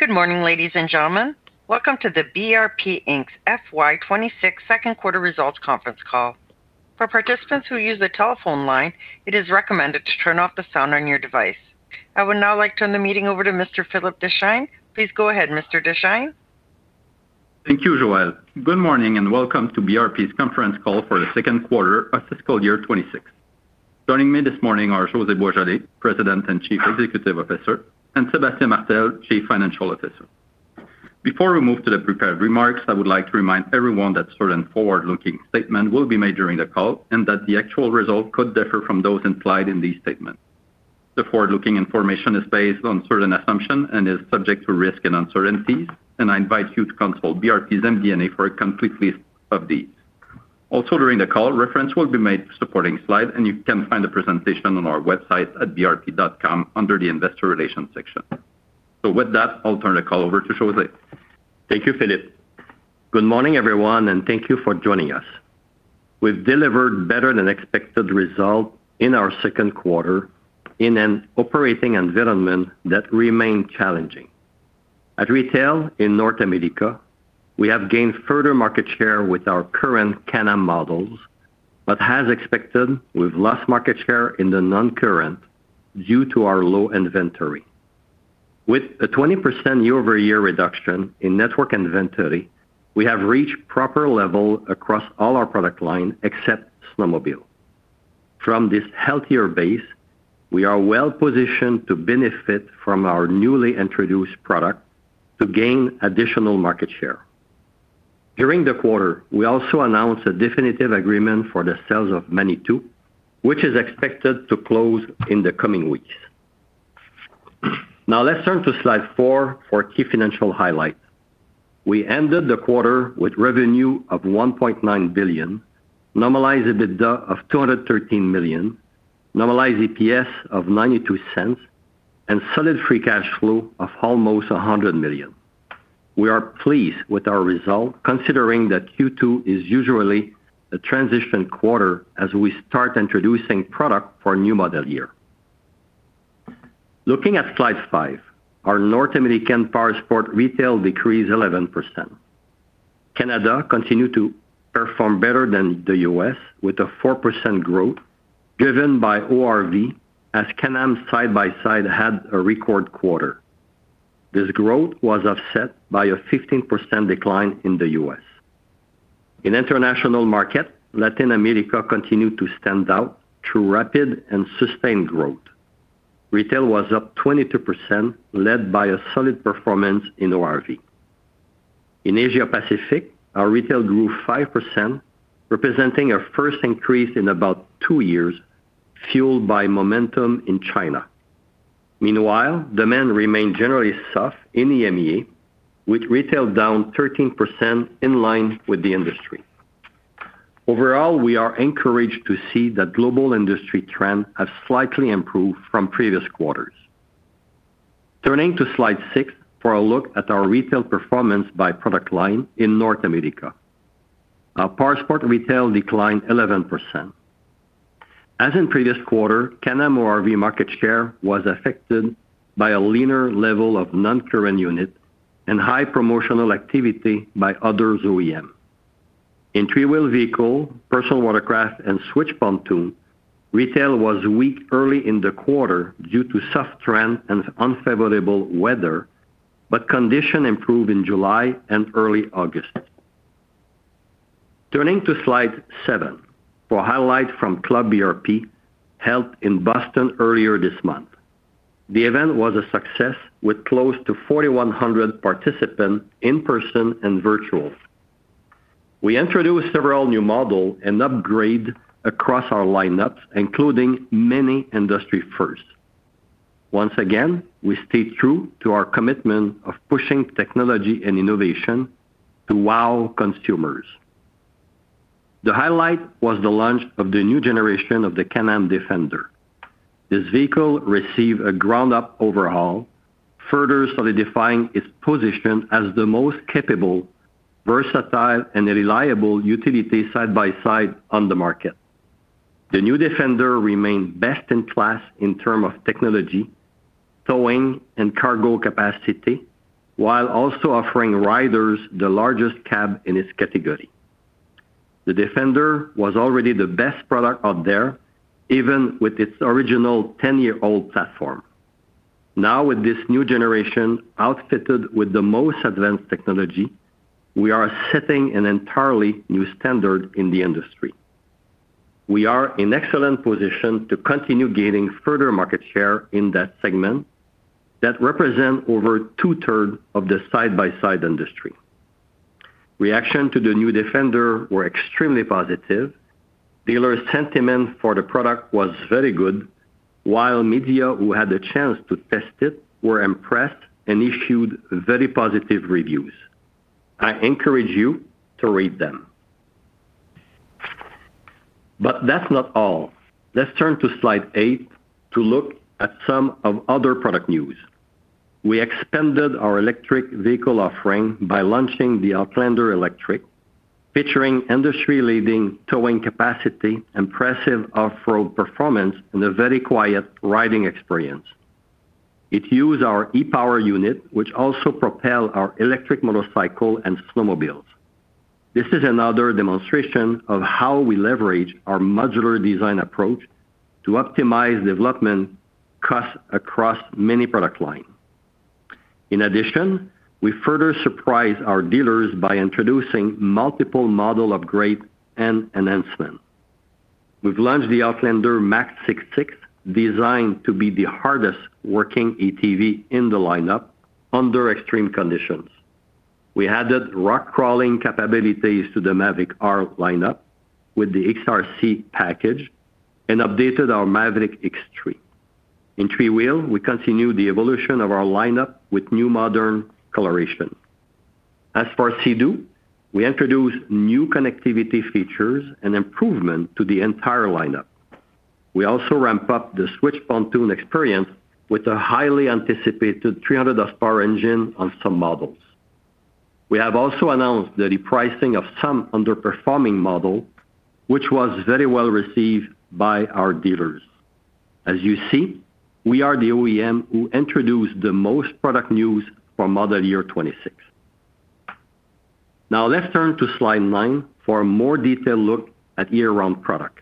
Good morning ladies and gentlemen. Welcome to the BRP Inc. FY 2026 Second Quarter Results Conference Call. For participants who use the telephone line, it is recommended to turn off the sound on your device. I would now like to turn the meeting over to Mr. Philippe Deschênes. Please go ahead Mr. Deschênes. Thank you Joelle, good morning and welcome to BRP's conference call for the second quarter of fiscal year 2026. Joining me this morning are José Boisjoli, President and Chief Executive Officer, and Sébastien Martel, Chief Financial Officer. Before we move to the prepared remarks, I would like to remind everyone that certain forward looking statements will be made during the call and that the actual result could differ from those implied in these statements. The forward-looking information is based on. Certain assumptions and is subject to risks. are uncertainties and I invite you to. Consult BRP's MD&A for a complete list of these. Also, during the call, reference will be. Made to supporting slides, and you can. Find the presentation on our website at brp.com. The Investor Relations section. With that, I'll turn the call over to José. Thank you, Philippe. Good morning, everyone, and thank you for joining us. We've delivered better than expected results in our second quarter in an operating environment that remained challenging at retail in North America. We have gained further market share with our current Can-Am models, but as expected, we've lost market share in the non-current due to our low inventory. With a 20% year-over-year reduction in network inventory, we have reached proper levels across all our product lines except snowmobile. From this healthier base, we are well positioned to benefit from our newly introduced product to gain additional market share during the quarter. We also announced a definitive agreement for the sale of Manny 2, which is expected to close in the coming weeks. Now let's turn to slide 4 for key financial highlights. We ended the quarter with revenue of 1.9 billion, normalized EBITDA of 213 million, normalized EPS of 0.92, and solid free cash flow of almost 100 million. We are pleased with our results considering that Q2 is usually a transition quarter as we start introducing product for the new model year. Looking at slide 5, our North American Powersport retail decreased 11%. Canada continued to perform better than the U.S. with a 4% growth driven by ORV as Can-Am side-by-side had a record quarter. This growth was offset by a 15% decline in the U.S. In international markets, Latin America continued to stand out through rapid and sustained growth. Retail was up 22% led by a solid performance in ORV. In Asia Pacific, our retail grew 5%, representing our first increase in about two years, fueled by momentum in China. Meanwhile, demand remained generally soft in EMEA with retail down 13% in line with the industry overall. We are encouraged to see that global industry trends have slightly improved from previous quarters. Turning to slide 6 for a look at our retail performance by product line. In North America, Powersport retail declined 11% as in previous quarters. Can-Am ORV market share was affected by a leaner level of non-current units and high promotional activity by other OEMs in three-wheel vehicle, personal watercraft, and Switch pontoon. Retail was weak early in the quarter due to soft trends and unfavorable weather, but conditions improved in July and early August. Turning to slide 7 for highlights from Club BRP. Held in Boston earlier this month, the event was a success with close to 4,100 participants in person and virtual. We introduced several new models and upgrades across our lineups, including many industry firsts. Once again, we stay true to our commitment of pushing technology and innovation to wow consumers. The highlight was the launch of the new generation of the Can-Am Defender. This vehicle received a ground-up overhaul, further solidifying its position as the most capable, versatile, and reliable utility side-by-side on the market. The new Defender remained best-in-class in terms of technology, towing, and cargo capacity, while also offering riders the largest cab in its category. The Defender was already the best product out there even with its original 10-year-old platform. Now, with this new generation outfitted with the most advanced technology, we are setting an entirely new standard in the industry. We are in excellent position to continue gaining further market share in that segment that represents over 2/3 of the side-by-side industry. Reaction to the new Defender was extremely positive. Dealer sentiment for the product was very good, while media who had the chance to test it were impressed and issued very positive reviews. I encourage you to read them. That's not all. Let's turn to Slide 8 to look at some of our other product news. We expanded our electric vehicle offering by launching the Outlander Electric featuring industry-leading towing capacity, impressive off-road performance, and a very quiet riding experience. It uses our E-Power unit, which also propels our electric motorcycle and snowmobiles. This is another demonstration of how we leverage our modular design approach to optimize development costs across many product lines. In addition, we further surprised our dealers by introducing multiple model upgrades and enhancements. We've launched the Outlander Max 6x6, designed to be the hardest working ATV in the lineup under extreme conditions. We added rock crawling capabilities to the Maverick R lineup with the X RC package and updated our Maverick X3 in three-wheel. We continue the evolution of our lineup with new modern coloration. As for Sea-Doo, we introduced new connectivity features and improvements to the entire lineup. We also ramp up the Switch pontoon experience with a highly anticipated 300 HP engine on some models. We have also announced the repricing of some underperforming models, which was very well received by our dealers. As you see, we are the OEM who introduced the most product news for model year 2026. Now let's turn to Slide 9 for a more detailed look at year-round. Product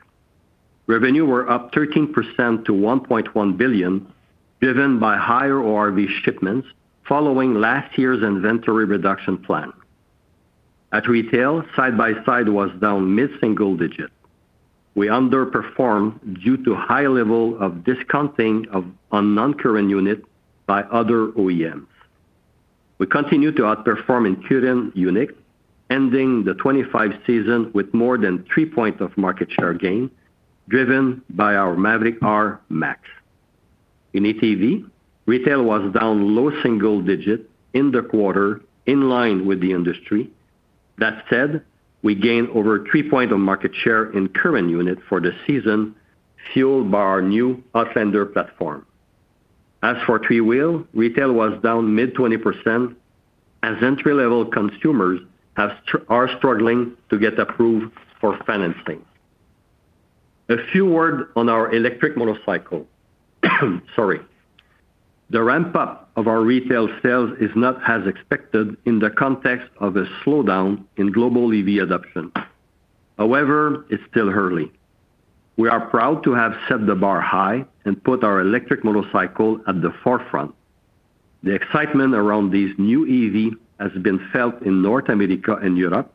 revenue was up 13% to 1.1 billion, driven by higher ORV shipments following last year's inventory reduction plan at retail. Side-by-side was down mid-single digit. We underperformed due to a high level of discounting of non-current units by other OEMs. We continue to outperform in current units, ending the 2025 season with more than 3 points of market share gain driven by our Maverick R and Max in ATV. Retail was down low single digit in the quarter, in line with the industry. That said, we gained over 3 points of market share in current units for the season, fueled by our new Defender platform. As for three-wheel, retail was down mid-20% as entry-level consumers are struggling to get approved for financing. A few words on our electric motorcycle. The ramp-up of our retail sales is not as expected in the context of a slowdown in global EV adoption. However, it's still early. We are proud to have set the bar high and put our electric motorcycle at the forefront. The excitement around this new EV has been felt in North America and Europe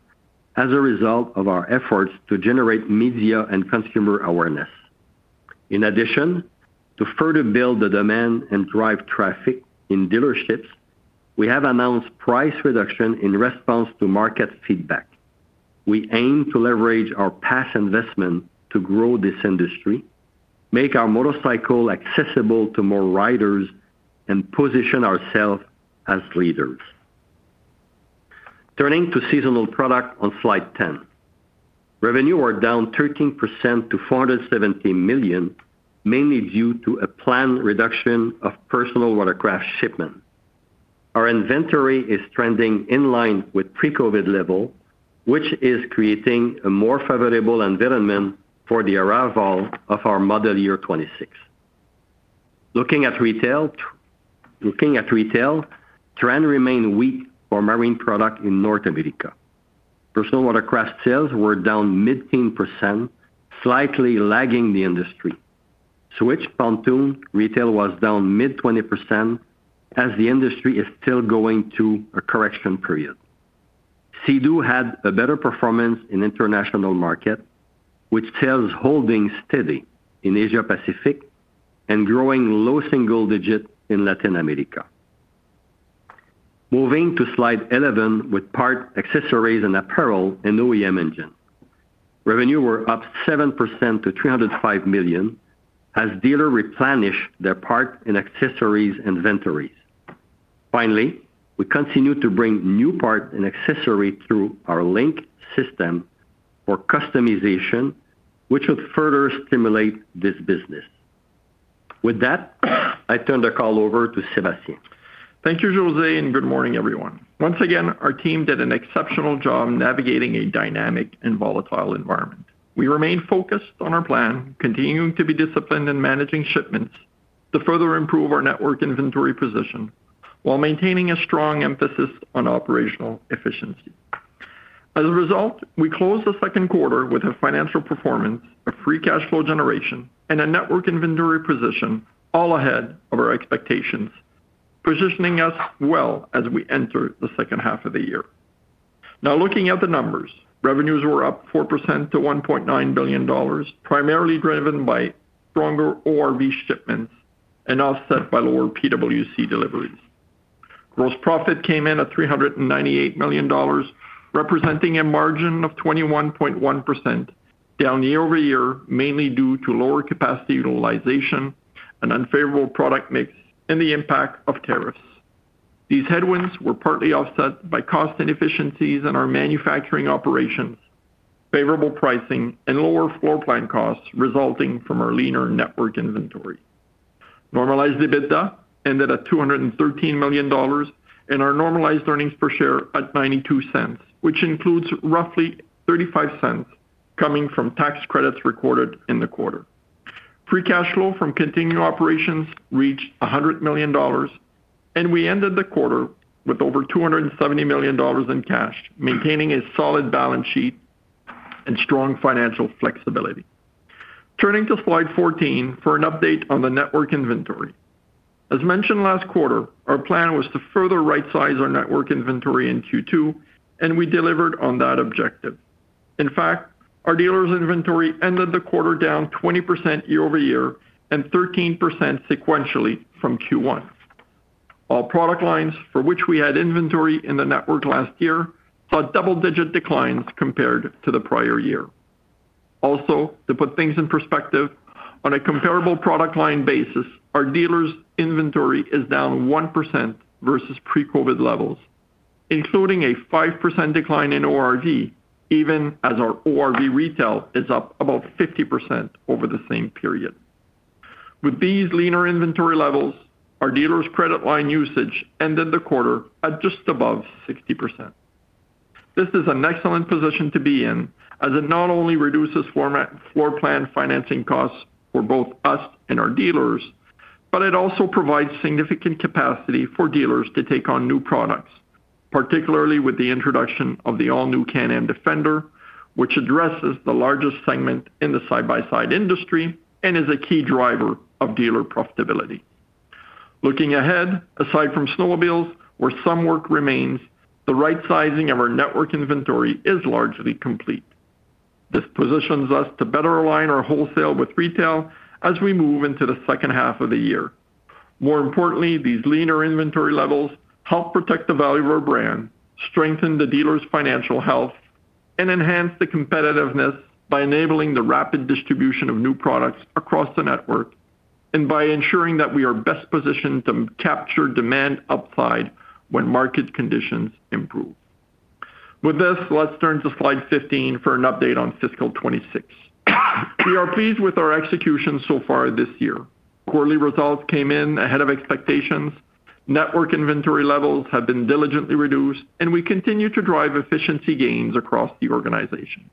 as a result of our efforts to generate media and consumer awareness. In addition to further build the demand and drive traffic in dealerships, we have announced price reduction in response to market feedback. We aim to leverage our past investment to grow this industry, make our motorcycle accessible to more riders, and position ourselves as leaders. Turning to seasonal product on slide 10, revenue are down 13% to 470 million, mainly due to a planned reduction of personal watercraft shipment. Our inventory is trending in line with pre-COVID level, which is creating a more favorable environment for the arrival of our model year 2026. Looking at retail trend, remained weak for marine product in North America. Personal watercraft sales were down mid-10%, slightly lagging the industry. Switch pontoon retail was down mid-20% as the industry is still going through a correction period. Sea-Doo had a better performance in international market with sales holding steady in Asia Pacific and growing low-single digit in Latin America. Moving to slide 11 with part, accessories, and apparel and OEM engine. Revenue were up 7% to 305 million as dealers replenish their part and accessories inventories. Finally, we continue to bring new parts and accessories through our Link system or customization, which would further stimulate this business. With that, I turn the call over to Sébastien. Thank you José and good morning everyone. Once again our team did an exceptional job navigating a dynamic and volatile environment. We remain focused on our plan, continuing to be disciplined in managing shipments to further improve our network inventory position while maintaining a strong emphasis on operational efficiency. As a result, we closed the second quarter with a financial performance of free cash flow generation and a network inventory position, all ahead of our expectations, positioning us well as we enter the second half of the year. Now looking at the numbers, revenues were up 4% to 1.9 billion dollars, primarily driven by stronger ORV shipments and offset by lower PWC deliveries. Gross profit came in at 398 million dollars, representing a margin of 21.1%, down year-over-year, mainly due to lower capacity utilization, an unfavorable product mix, and the impact of tariffs. These headwinds were partly offset by cost inefficiencies in our manufacturing operations, favorable pricing, and lower floor plan costs resulting from our leaner network inventory. Normalized EBITDA ended at 213 million dollars and our normalized earnings per share at 0.92, which includes roughly 0.35 coming from tax credits recorded in the quarter. Free cash flow from continuing operations reached 100 million dollars and we ended the quarter with over 270 million dollars in cash, maintaining a solid balance sheet and strong financial flexibility. Turning to Slide 14 for an update on the network inventory. As mentioned last quarter, our plan was to further right size our network inventory in Q2 and we delivered on that objective. In fact, our dealers' inventory ended the quarter down 20% year-over-year and 13% sequentially from Q1. All product lines for which we had inventory in the network last year saw double-digit declines compared to the prior year. Also, to put things in perspective, on a comparable product line basis, our dealers' inventory is down 1% versus pre-COVID levels, including a 5% decline in ORV even as our ORV retail is up about 50% over the same period. With these leaner inventory levels, our dealers' credit line usage ended the quarter at just above 60%. This is an excellent position to be in as it not only reduces floor plan financing costs for both us and our dealers, but it also provides significant capacity for dealers to take on new products, particularly with the introduction of the all new Can-Am Defender, which addresses the largest segment in the side-by-side industry and is a key driver of dealer profitability. Looking ahead, aside from snowmobiles, where some work remains, the right sizing of our network inventory is largely complete. This positions us to better align our wholesale with retail as we move into the second half of the year. More importantly, these leaner inventory levels help protect the value of our brand, strengthen the dealers' financial health, and enhance the competitiveness by enabling the rapid distribution of new products across the network and by ensuring that we are best positioned to capture demand upside when market conditions improve. With this, let's turn to slide 15 for an update on fiscal 2026. We are pleased with our execution so far this year. Quarterly results came in ahead of expectations. Network inventory levels have been diligently reduced and we continue to drive efficiency gains across the organization.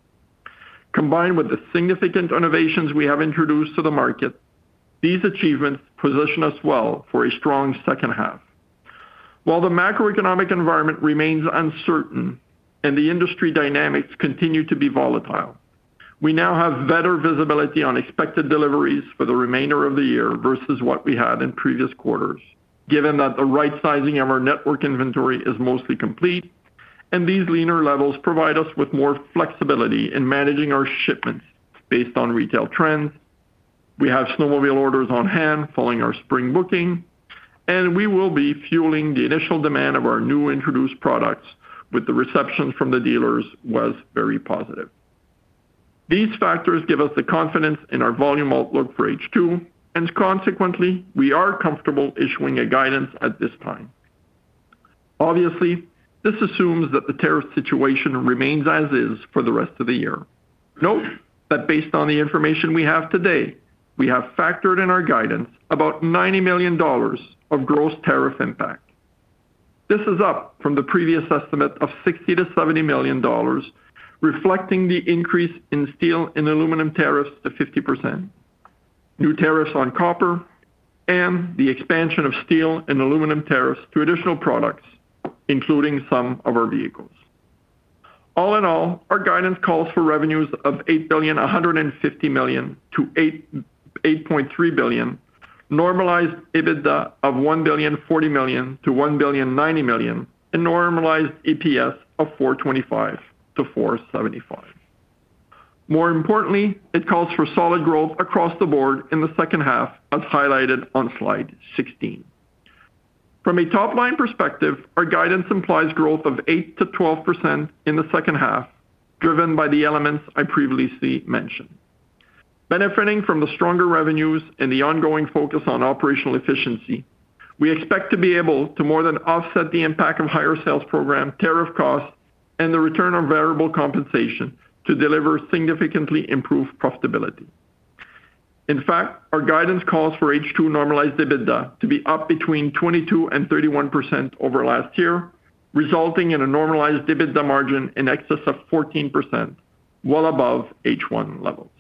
Combined with the significant innovations we have introduced to the market, these achievements position us well for a strong second half. While the macroeconomic environment remains uncertain and the industry dynamics continue to be volatile, we now have better visibility on expected deliveries for the remainder of the year versus what we had in previous quarters. Given that the right sizing of our network inventory is mostly complete and these leaner levels provide us with more flexibility in managing our shipments based on retail trends. We have snowmobile orders on hand following our spring booking and we will be fueling the initial demand of our new introduced products with the reception from the dealers was very positive. These factors give us the confidence in our volume outlook for H2 and consequently we are comfortable issuing a guidance at this time. Obviously, this assumes that the tariff situation remains as is for the rest of the year. Note that based on the information we have today, we have factored in our guidance about 90 million dollars of gross tariff impact. This is up from the previous estimate of 60 million-70 million dollars, reflecting the increase in steel and aluminum tariffs to 50%, new tariffs on copper, and the expansion of steel and aluminum tariffs to additional products, including some of our vehicles. All in all, our guidance calls for revenues of 8.15 billion-8.3 billion, normalized EBITDA of 1.04 billion-1.09 billion, and normalized EPS of 4.25-4.75. More importantly, it calls for solid growth across the board in the second half, as highlighted on Slide 16. From a top line perspective, our guidance implies growth of 8%-12% in the second half, driven by the elements I previously mentioned. Benefiting from the stronger revenues and the ongoing focus on operational efficiency, we expect to be able to more than offset the impact of higher sales program tariff costs and the return of variable compensation to deliver significantly improved profitability. In fact, our guidance calls for H2 normalized EBITDA to be up between 22% and 31% over last year, resulting in a normalized EBITDA margin in excess of 14%, well above H1 levels.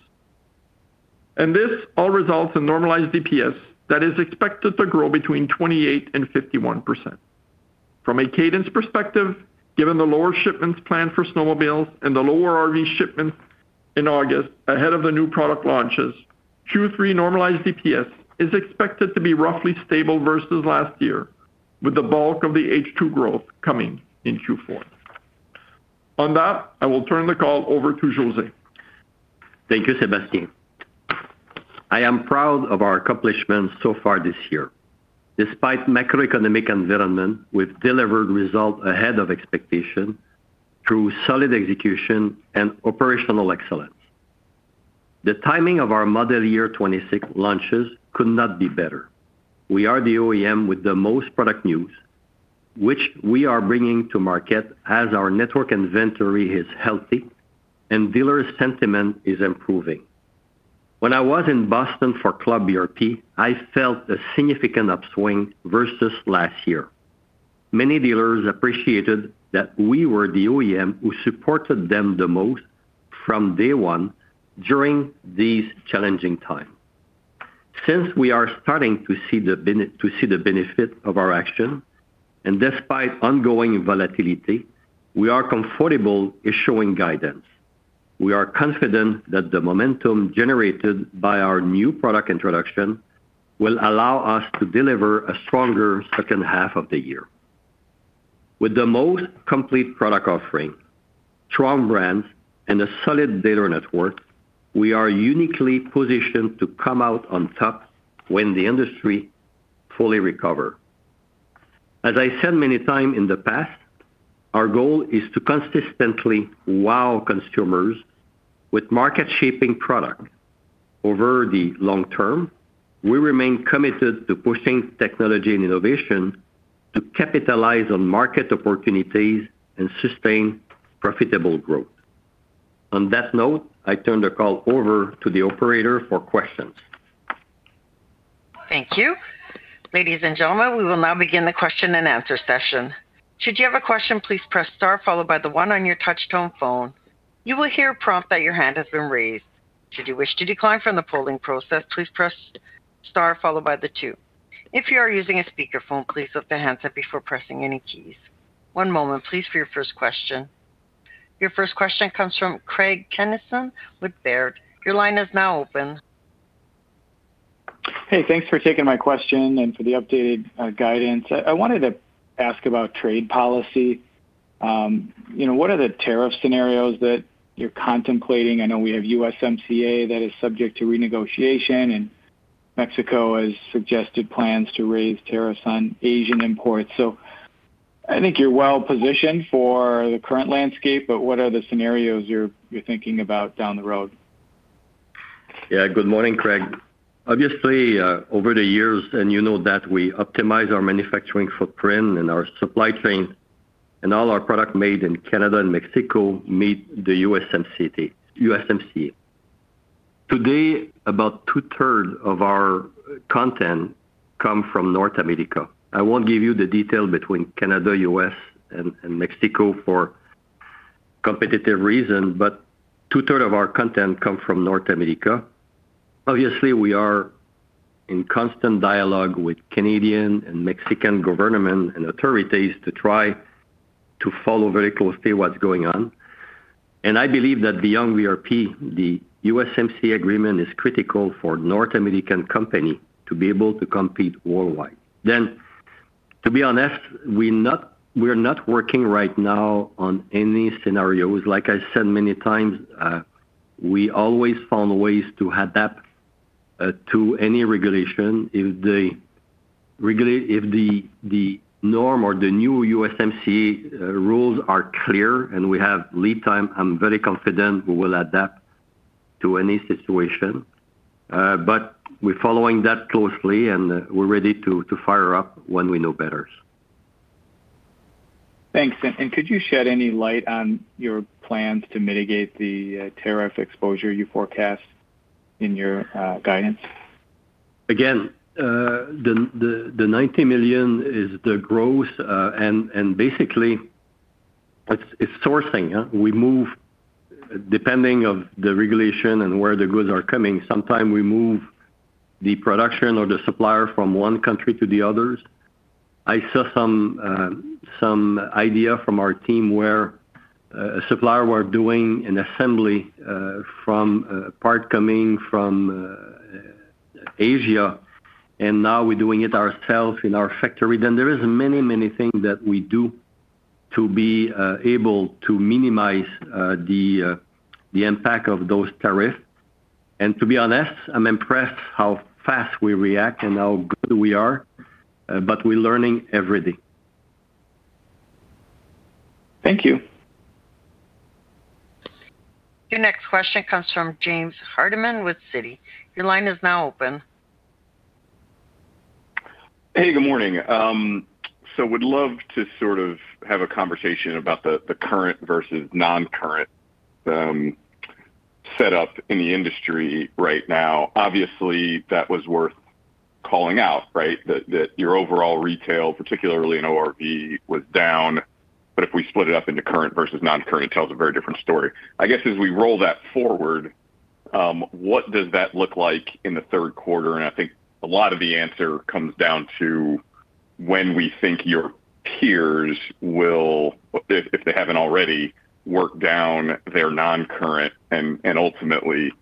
This all results in normalized EPS that is expected to grow between 28% and 51%. From a cadence perspective, given the lower shipments planned for snowmobiles and the lower RV shipments planned in August ahead of the new product launches, Q3 normalized EPS is expected to be roughly stable versus last year, with the bulk of the H2 growth coming in Q4. On that, I will turn the call over to José. Thank you Sébastien. I am proud of our accomplishments so far this year. Despite the macroeconomic environment, we've delivered results ahead of expectation through solid execution and operational excellence. The timing of our model year 2026 launches could not be better. We are the OEM with the most product news, which we are bringing to market as our network inventory is healthy and dealer sentiment is improving. When I was in Boston for Club BRP, I felt a significant upswing versus last year. Many dealers appreciated that we were the OEM who supported them the most from day one during these challenging times. Since we are starting to see the benefit of our action and despite ongoing volatility, we are comfortable issuing guidance. We are confident that the momentum generated by our new product introduction will allow us to deliver a stronger second half of the year. With the most complete product offering, strong brands, and a solid dealer network, we are uniquely positioned to come out on top when the industry fully recovers. As I said many times in the past, our goal is to consistently wow consumers with market-shaping products over the long term. We remain committed to pushing technology and innovation to capitalize on market opportunities and sustain profitable growth. On that note, I turn the call over to the operator for questions. Thank you, ladies and gentlemen. We will now begin the question and answer session. Should you have a question, please press Star followed by the one on your touchtone phone. You will hear a prompt that your hand has been raised. Should you wish to decline from the polling process, please press Star followed by the two. If you are using a speakerphone, please lift the handset before pressing any keys. One moment, please, for your first question. Your first question comes from Craig Kennison with Baird. Your line is now open. Hey, thanks for taking my question and for the updated guidance. I wanted to ask about trade policy. What are the tariff scenarios that you're contemplating? I know we have USMCA that is subject to renegotiation, and Mexico has suggested plans to raise tariffs on Asian imports. I think you're well positioned for the current landscape. What are the scenarios you're thinking about down the road? Yeah. Good morning, Craig. Obviously, over the years, and you know that we optimize our manufacturing footprint and our supply chain, and all our products made in Canada and Mexico meet the USMC today. About 2/3 of our content come from North America. I won't give you the detail between Canada, U.S., and Mexico for competitive reasons, but 2/3 of our content come from North America. Obviously, we are in constant dialogue with Canadian and Mexican government and authorities to try to follow very closely what's going on. I believe that beyond BRP, the USMC agreement is critical for North American company to be able to compete worldwide. To be honest, we're not working right now on any scenarios. Like I said many times, we always found ways to adapt to any regulation if they, if the norm or the new USMC rules are clear and we have lead time, I'm very confident we will adapt to any situation. We're following that closely and we're ready to fire up when we know better. Thank you. Could you shed any light on your plans to mitigate the tariff exposure you forecast in your guidance? Again, the 90 million is the growth and basically it's sourcing. We move depending on the regulation and where the goods are coming. Sometimes we move the production or the supplier from one country to the others. I saw some idea from our team where a supplier was doing an assembly from a part coming from Asia and now we're doing it ourselves in our factory. There are many, many things that we do to be able to minimize the impact of those tariffs. To be honest, I'm impressed how fast we react and how good we are, but we're learning every day. Thank you. Your next question comes from James Hardiman with Citi. Your line is now open. Hey, good morning. I would love to have a conversation about the current versus non-current setup in the industry right now. Obviously, that was worth calling out, right? That your overall retail, particularly in ORV, was down. If we split it up into current versus non-current, it tells a very different story, I guess. As we roll that forward, what does that look like in the third quarter? I think a lot of the answer comes down to when we think your peers will, if they haven't already, work down their non-current and ultimately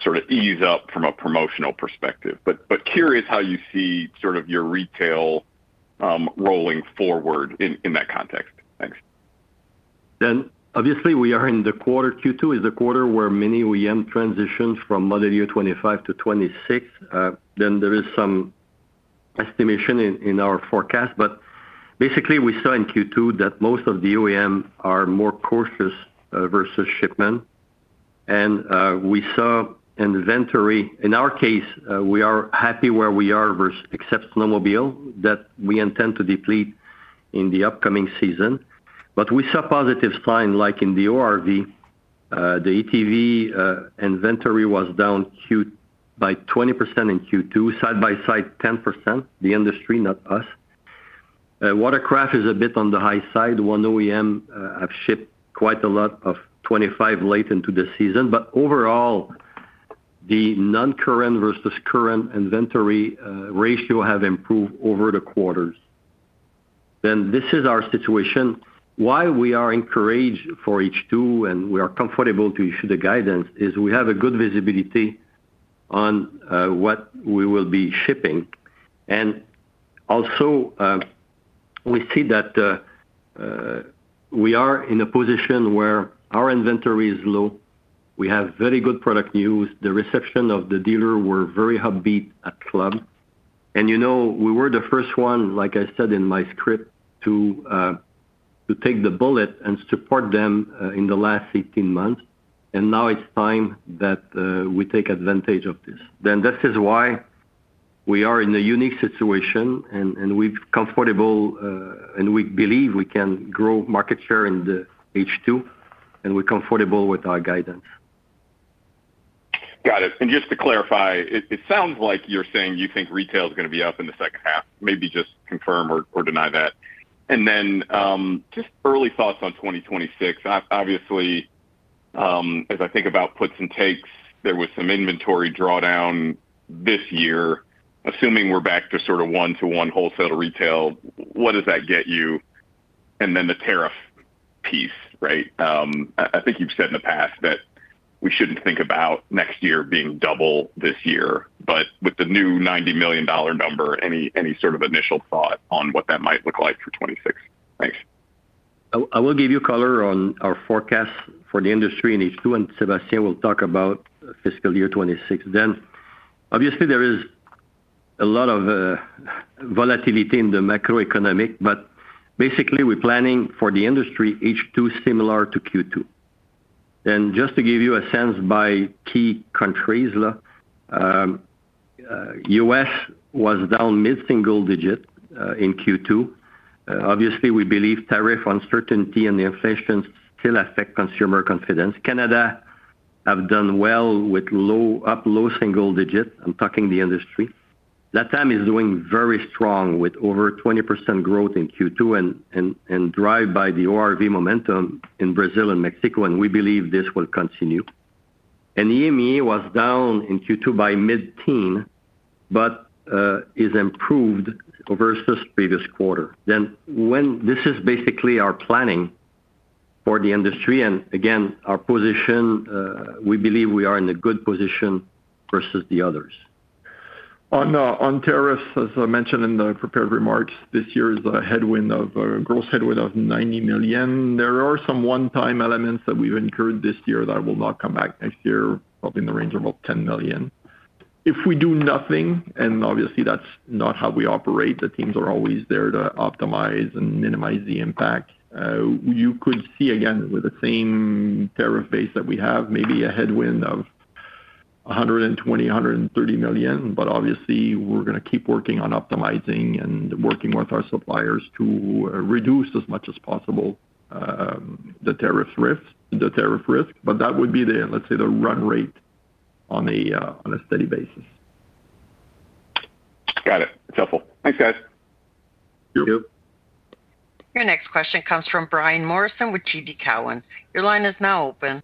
sort of ease up from a promotional perspective. Curious how you see your retail rolling forward in that context. Thanks. Obviously, we are in the quarter. Q2 is the quarter where many OEMs transitioned from model year 2025 to 2026. There is some estimation in our forecast, but basically we saw in Q2 that most of the OEMs are more cautious versus shipment, and we saw inventory. In our case, we are happy where we are except snowmobile, that we intend to deplete in the upcoming season. We saw positive signs, like in the ORV, the ATV inventory was down by 20% in Q2, side-by-side 10%. The industry, not us. Watercraft, is a bit on the high side. One OEM has shipped quite a lot of 2025 late into the season, but overall the non-current versus current inventory ratio has improved over the quarters. This is our situation. Why we are encouraged for H2 and we are comfortable to issue the guidance is we have good visibility on what we will be shipping, and also we see that we are in a position where our inventory is low. We have very good product news. The reception of the dealer was very upbeat at Club BRP, and you know we were the first one, like I said in my script, to take the bullet and support them in the last 18 months, and now it's time that we take advantage of this. This is why we are in a unique situation, and we're comfortable, and we believe we can grow market share in the H2, and we're comfortable with our guidance. Got it. Just to clarify, it sounds like you're saying you think retail is going to be up in the second half. Maybe just confirm or deny that. Then just early thoughts on 2026. Obviously, as I think about puts and takes, there was some inventory drawdown this year. Assuming we're back to sort of one-to-one wholesale to retail, what does that get you? The tariff piece, right, I think you've said in the past that we shouldn't think about next year being double this year. With the new 90 million dollar number, any sort of initial thought on what that might look like for 2026? Thanks. I will give you color on our forecast for the industry and H2, and Sébastien will talk about fiscal year 2026. Obviously, there is a lot of volatility in the macroeconomic, but basically we're planning for the industry H2 similar to Q2. Just to give you a sense by key countries, U.S. was down mid single digit in Q2. We believe tariff uncertainty and inflation still affect consumer confidence. Canada has done well with low-single digit. I'm talking the industry. LATAM is doing very strong with over 20% growth in Q2 and driven by the ORV momentum in Brazil and Mexico, and we believe this will continue. EME was down in Q2 by mid teens but has improved over the previous quarter. This is basically our planning for the industry, and again, our position, we believe we are in a good position versus the others. On tariffs, as I mentioned in the prepared remarks, this year is a headwind of gross headwind of 90 million. There are some one-time elements that we've incurred this year that will not come back next year in the range of about 10 million. If we do nothing, and obviously that's not how we operate. The teams are always there to optimize and minimize the impact. You could see again with the same tariff base that we have maybe a headwind of 120 million, 130 million. Obviously, we're going to keep working on optimizing and working with our suppliers to reduce as much as possible the tariff risk. That would be, let's say, the run rate on a steady basis. Got it. Its helpful. Thanks, guys. Your next question comes from Brian Morrison with GD Cowan. Your line is now open.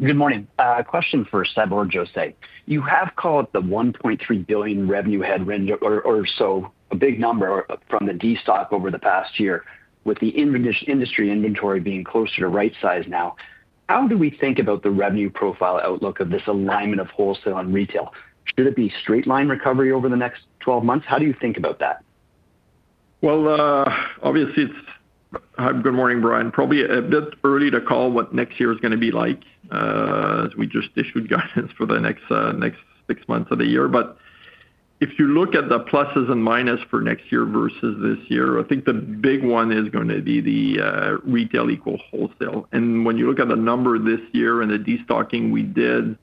Good morning. Question for Sébastien. José, you have called the 1.3 billion revenue headwind or so a big number from the destock over the past year with the industry inventory being closer to right size. Now how do we think about the revenue profile outlook of this alignment of wholesale and retail? Should it be straight line recovery over the next 12 months? How do you think about that? Obviously it's. Good morning Brian. Probably a bit early to call what next year is going to be like. We just issued guidance for the next six months of the year. If you look at the pluses and minus for next year versus this year, I think the big one is going to be the retail equal wholesale. When you look at the number this year and the destocking we did,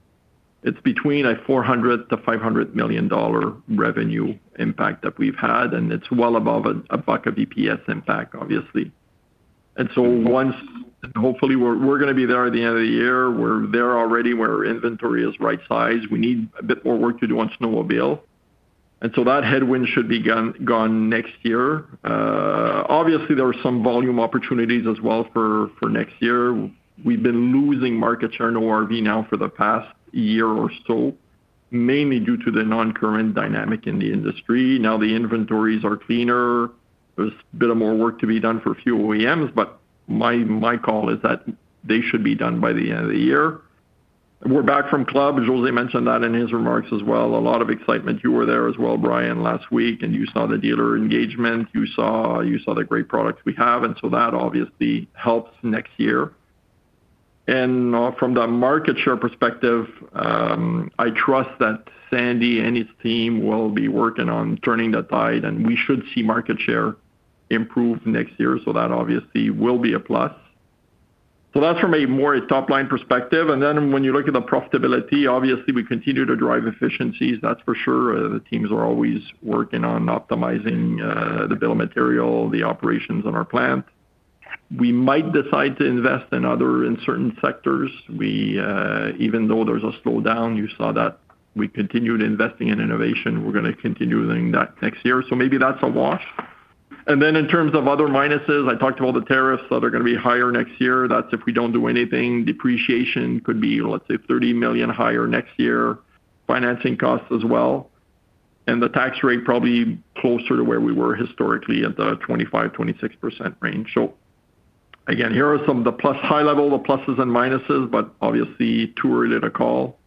it's between a 400 million-500 million dollar revenue impact that we've had and it's well above a buck of EPS impact obviously. Once, hopefully, we're going to be there at the end of the year, we're there already where inventory is right size. We need a bit more work to do on snowmobile and so that headwind should be gone next year. Obviously there are some volume opportunities as well for next year. We've been losing market share in ORV now for the past year or so mainly due to the non-current dynamic in the industry. Now the inventories are cleaner, there's a bit more work to be done for fuel OEMs but my call is that they should be done by the end of the year. We're back from Club BRP, José mentioned that in his remarks as well. A lot of excitement. You were there as well Brian, last week and you saw the dealer engagement, you saw the great products we have and that obviously helps next year. From the market share perspective, I trust that Sandy and his team will be working on turning the tide and we should see market share improve next year. That obviously will be a plus. That's from a more top line perspective. When you look at the profitability, obviously we continue to drive efficiencies, that's for sure. The teams are always working on optimizing the bill of material, the operations on our plant. We might decide to invest in certain sectors. Even though there's a slowdown, you saw that we continued investing in innovation, we're going to continue doing that next year so maybe that's a wash. In terms of other minuses, I talked about the tariffs that are going to be higher next year. That's if we don't do anything. Depreciation could be, let's say, 30 million higher next year. Financing costs as well, and the tax rate probably closer to where we were historically at the 25%, 26% range. Here are some of the high-level pluses and minuses, but obviously too early to call.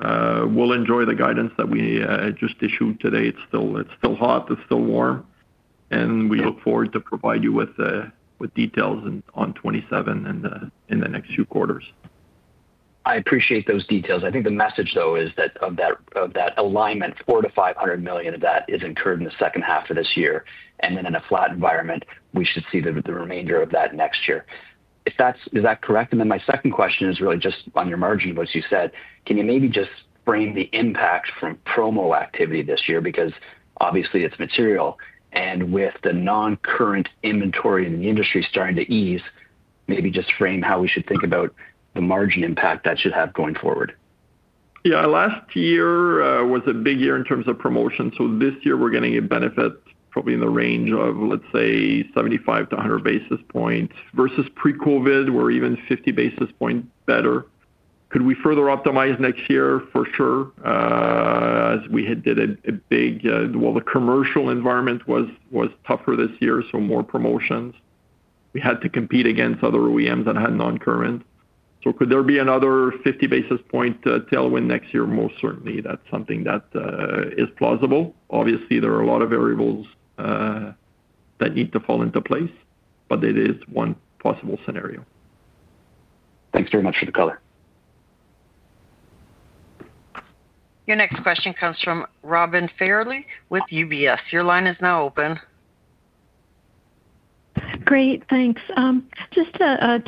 We'll enjoy the guidance that we just issued today. It's still hot, it's still warm, and we look forward to provide you with details on 2027 in the next few quarters. I appreciate those details. I think the message though is that of that alignment, 400 million-500 million of that is incurred in the second half of this year, and then in a flat environment we should see the remainder of that next year. If that's. Is that correct? My second question is really just on your margin, what you said, can you maybe just frame the impact from promo activity this year because obviously it's material and with the noncurrent inventory in the industry starting to ease, maybe just frame how we should think about the margin impact that should have going forward. Last year was a big year in terms of promotion. This year we're getting a benefit probably in the range of let's say 75 basis points-100 basis points versus pre-COVID. We're even 50 basis points better. Could we further optimize next year? For sure, as we did a big, the commercial environment was tougher this year, so more promotions. We had to compete against other OEMs that had noncurrent. Could there be another 50 basis point tailwind next year? Most certainly that's something that is plausible. Obviously there are a lot of variables that need to fall into place, but it is one possible scenario. Thanks very much for the color. Your next question comes from Robin Fairley with UBS. Your line is now open. Great, thanks. Just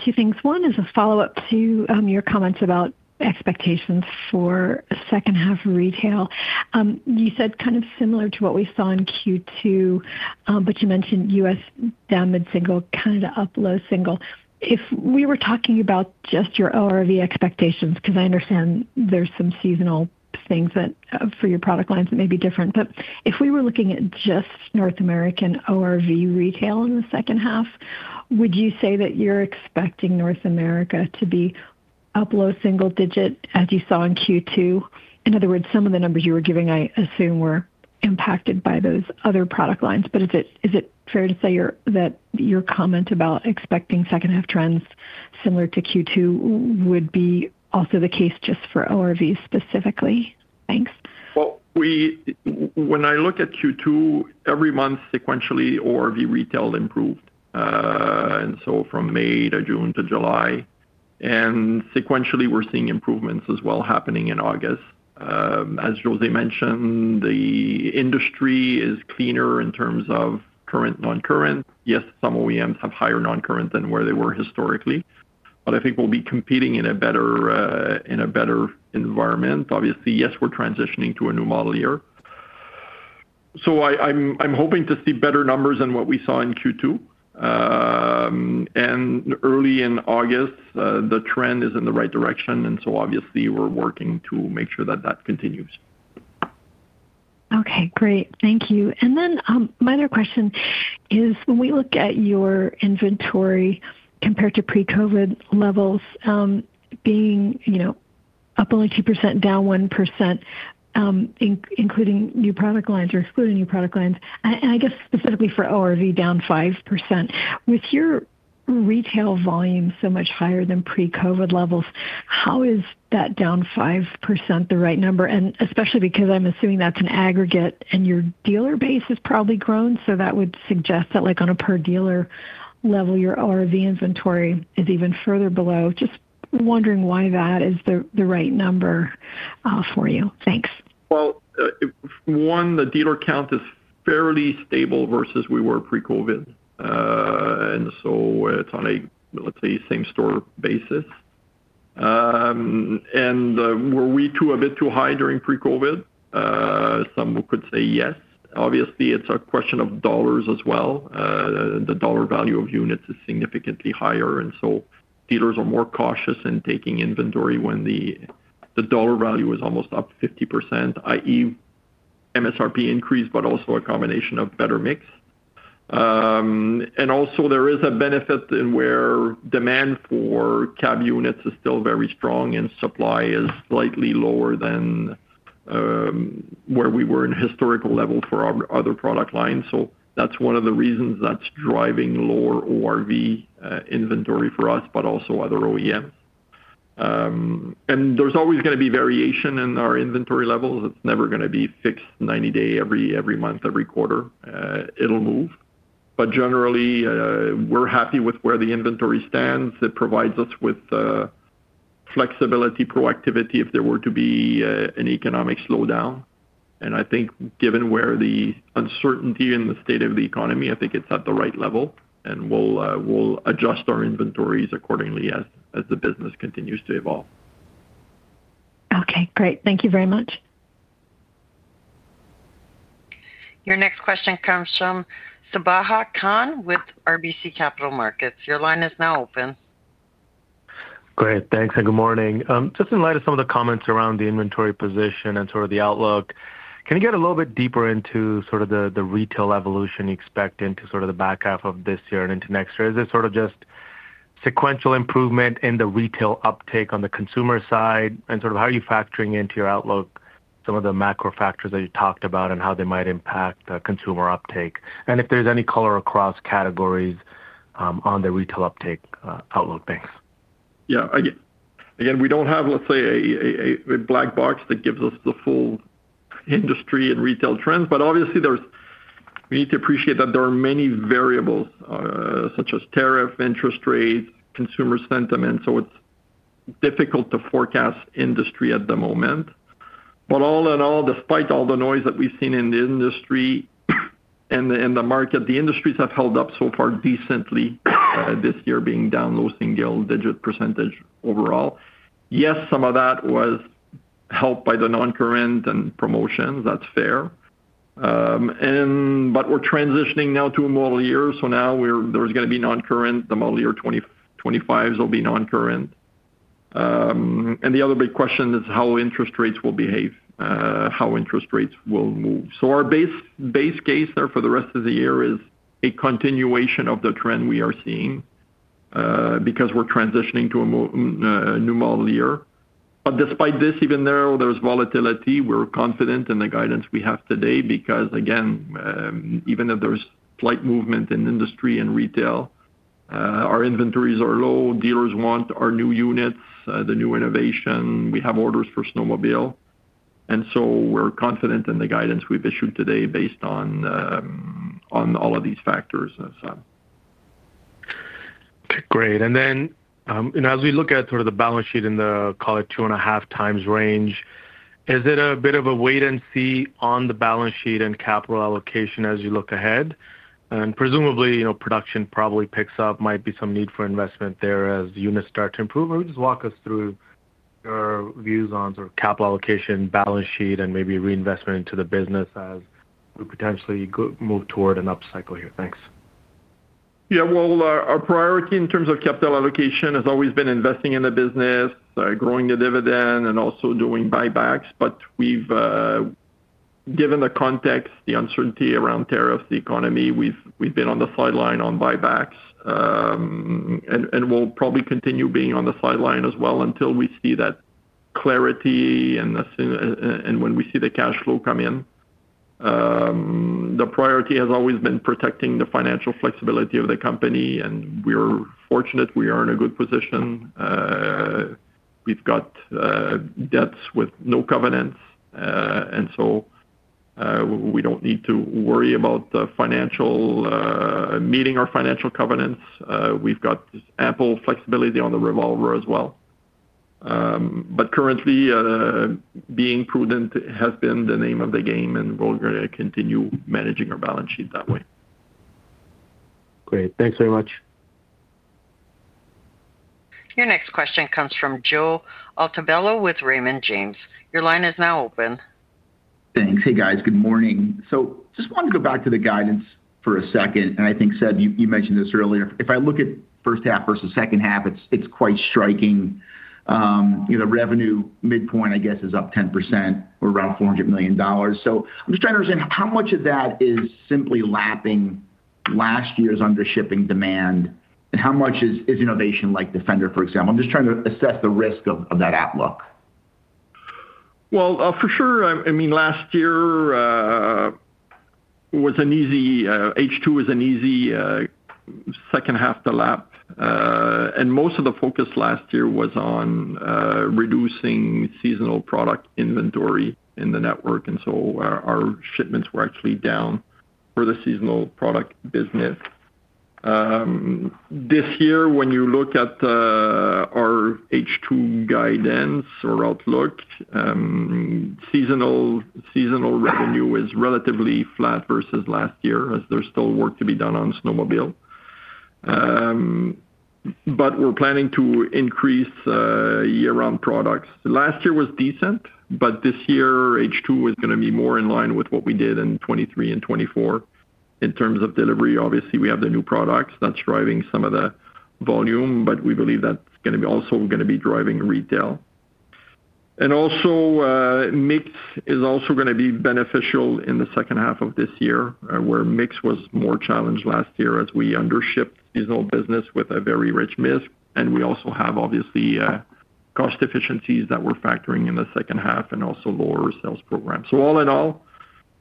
two things. One is a follow-up to your comments about expectations for second half retail. You said kind of similar to what we saw in Q2, but you mentioned U.S. down mid single, kind of up low single. If we were talking about just your ORV expectations, because I understand there's some seasonal things that for your product lines that may be different. If we were looking at just North American ORV retail in the second half, would you say that you're expecting North America to be up low single digit as you saw in Q2? In other words, some of the numbers you were giving, I assume were impacted by those other product lines. Is it fair to say that your comment about expecting second half trends similar to Q2 would be also the case just for ORV specifically? Thanks. When I look at Q2, every month sequentially ORV retail improved. From May to June to July, sequentially we're seeing improvements as well happening in August. As José mentioned, the industry is cleaner in terms of current, non-current. Yes, some OEMs have higher non-current than where they were historically. I think we'll be competing in a better environment. Obviously, yes, we're transitioning to a new model year. I'm hoping to see better numbers than what we saw in Q2. Early in August, the trend is in the right direction. Obviously, we're working to make sure that continues. Okay, great. Thank you. My question is, when we look at your inventory compared to pre-COVID levels being, you know, up only 2%, down 1% including new product lines or excluding new product lines, and I guess specifically for ORV, down 5%. With your retail volume so much higher than pre-COVID levels, how is that down 5% the right number? Especially because I'm assuming that's an aggregate and your dealer base has probably grown. That would suggest that like on a per dealer level your ORV inventory is even further below. Just wondering why that is the right number for you. Thanks. The dealer count is fairly stable versus where we were pre-COVID, and so it's on a, let's say, same store basis. Were we a bit too high during pre-COVID? Some could say yes. Obviously, it's a question of dollars as well. The dollar value of units is significantly higher, and so dealers are more cautious in taking inventory when the dollar value is almost up 50%. That is MSRP increase but also a combination of better mix. There is a benefit in where demand for CAD units is still very strong and supply is slightly lower than where we were in historical level for our other product lines. That's one of the reasons that's driving lower ORV inventory for us, but also other OEMs. There's always going to be variation in our inventory levels. It's never going to be fixed 90 day every month, every quarter it'll move. Generally, we're happy with where the inventory stands. It provides us with flexibility and proactivity if there were to be an economic slowdown. I think given where the uncertainty in the state of the economy is, I think it's at the right level and we'll adjust our inventories accordingly as the business continues to evolve. Okay, great. Thank you very much. Your next question comes from Subahat Khan with RBC Capital Markets. Your line is now open. Great, thanks and good morning. In light of some of the comments around the inventory position and the outlook, can you get a little bit deeper into sort of the retail evolution you expect into sort of the back half of this year and into next year? Is this sort of just sequential improvement in the retail uptake on the consumer side and sort of how are you factoring into your outlook some of the macro factors that you talked about and how they might impact consumer uptake and if there's any color across categories on the retail uptake outlook. Thanks. Yeah, again we don't have let's say a black box that gives us the full industry and retail trends. Obviously we need to appreciate that there are many variables such as tariff, interest rate, consumer sentiment. It's difficult to forecast industry at the moment. All in all, despite all the noise that we've seen in the industry and the market, the industries have held up so far decently this year being down low single digit percentage overall. Yes, some of that was helped by the non current and promotions. That's fair. We're transitioning now to a model year. Now there's going to be non current. The model year 2024, 2025s will be non current. The other big question is how interest rates will behave, how interest rates will move. Our base case there for the rest of the year is a continuation of the trend we are seeing because we're transitioning to a new model year. Despite this, even though there's volatility, we're confident in the guidance we have today. Again, even if there's slight movement in industry and retail, our inventories are low, dealers want our new units, the new innovation. We have orders for snowmobile. We're confident in the guidance we've issued today based on, on all of these factors. Great. As we look at sort of the balance sheet in the call it 2.5x range, is it a bit of a wait and see on the balance sheet and capital allocation as you look ahead and presumably production probably picks up, might be some need for investment there as units start to improve. Just walk us through your views on capital allocation, balance sheet and maybe reinvestment into the business as we potentially move toward an upcycle here. Thanks. Our priority in terms of capital allocation has always been investing in the business, growing the dividend and also doing buybacks. Given the context, the uncertainty around tariffs, the economy, we've been on the sideline on buybacks and we'll probably continue being on the sideline as well until we see that clarity. When we see the cash flow come in, the priority has always been protecting the financial flexibility of the company. We're fortunate we are in a good position. We've got debts with no covenants, so we don't need to worry about meeting our financial covenants. We've got ample flexibility on the revolver as well. Currently, being prudent has been the name of the game and we're going to continue managing our balance sheet that way. Great. Thanks very much. Your next question comes from Joe Altabello with Raymond James. Your line is now open. Thanks. Hey, guys. Good morning. Just wanted to go back to the guidance for a second and I think, Seb, you mentioned this earlier. If I look at first half versus second half, it's quite striking. The revenue midpoint I guess is up 10% or around 400 million dollars. I'm just trying to understand how much of that is simply lapping last year's under shipping demand and how much is innovation like Defender for example. I'm just trying to assess the risk of that outlook. For sure, last year was an easy H2, was an easy second half to lap and most of the focus last year was on reducing seasonal product inventory in the network. Our shipments were actually down for the seasonal product business. This year when you look at our H2 guidance or outlook, seasonal revenue is relatively flat versus last year as there's still work to be done on snowmobile but we're planning to increase year round products. Last year was decent but this year H2 is going to be more in line with what we did in 2023 and 2024 in terms of delivery. Obviously we have the new products that's driving some of the volume but we believe that's going to be also driving retail. Also, mix is also going to be beneficial in the second half of this year where mix was more challenged last year as we under ship these old business with a very rich mix. We also have obviously cost efficiencies that we're factoring in the second half and also lower sales program. All in all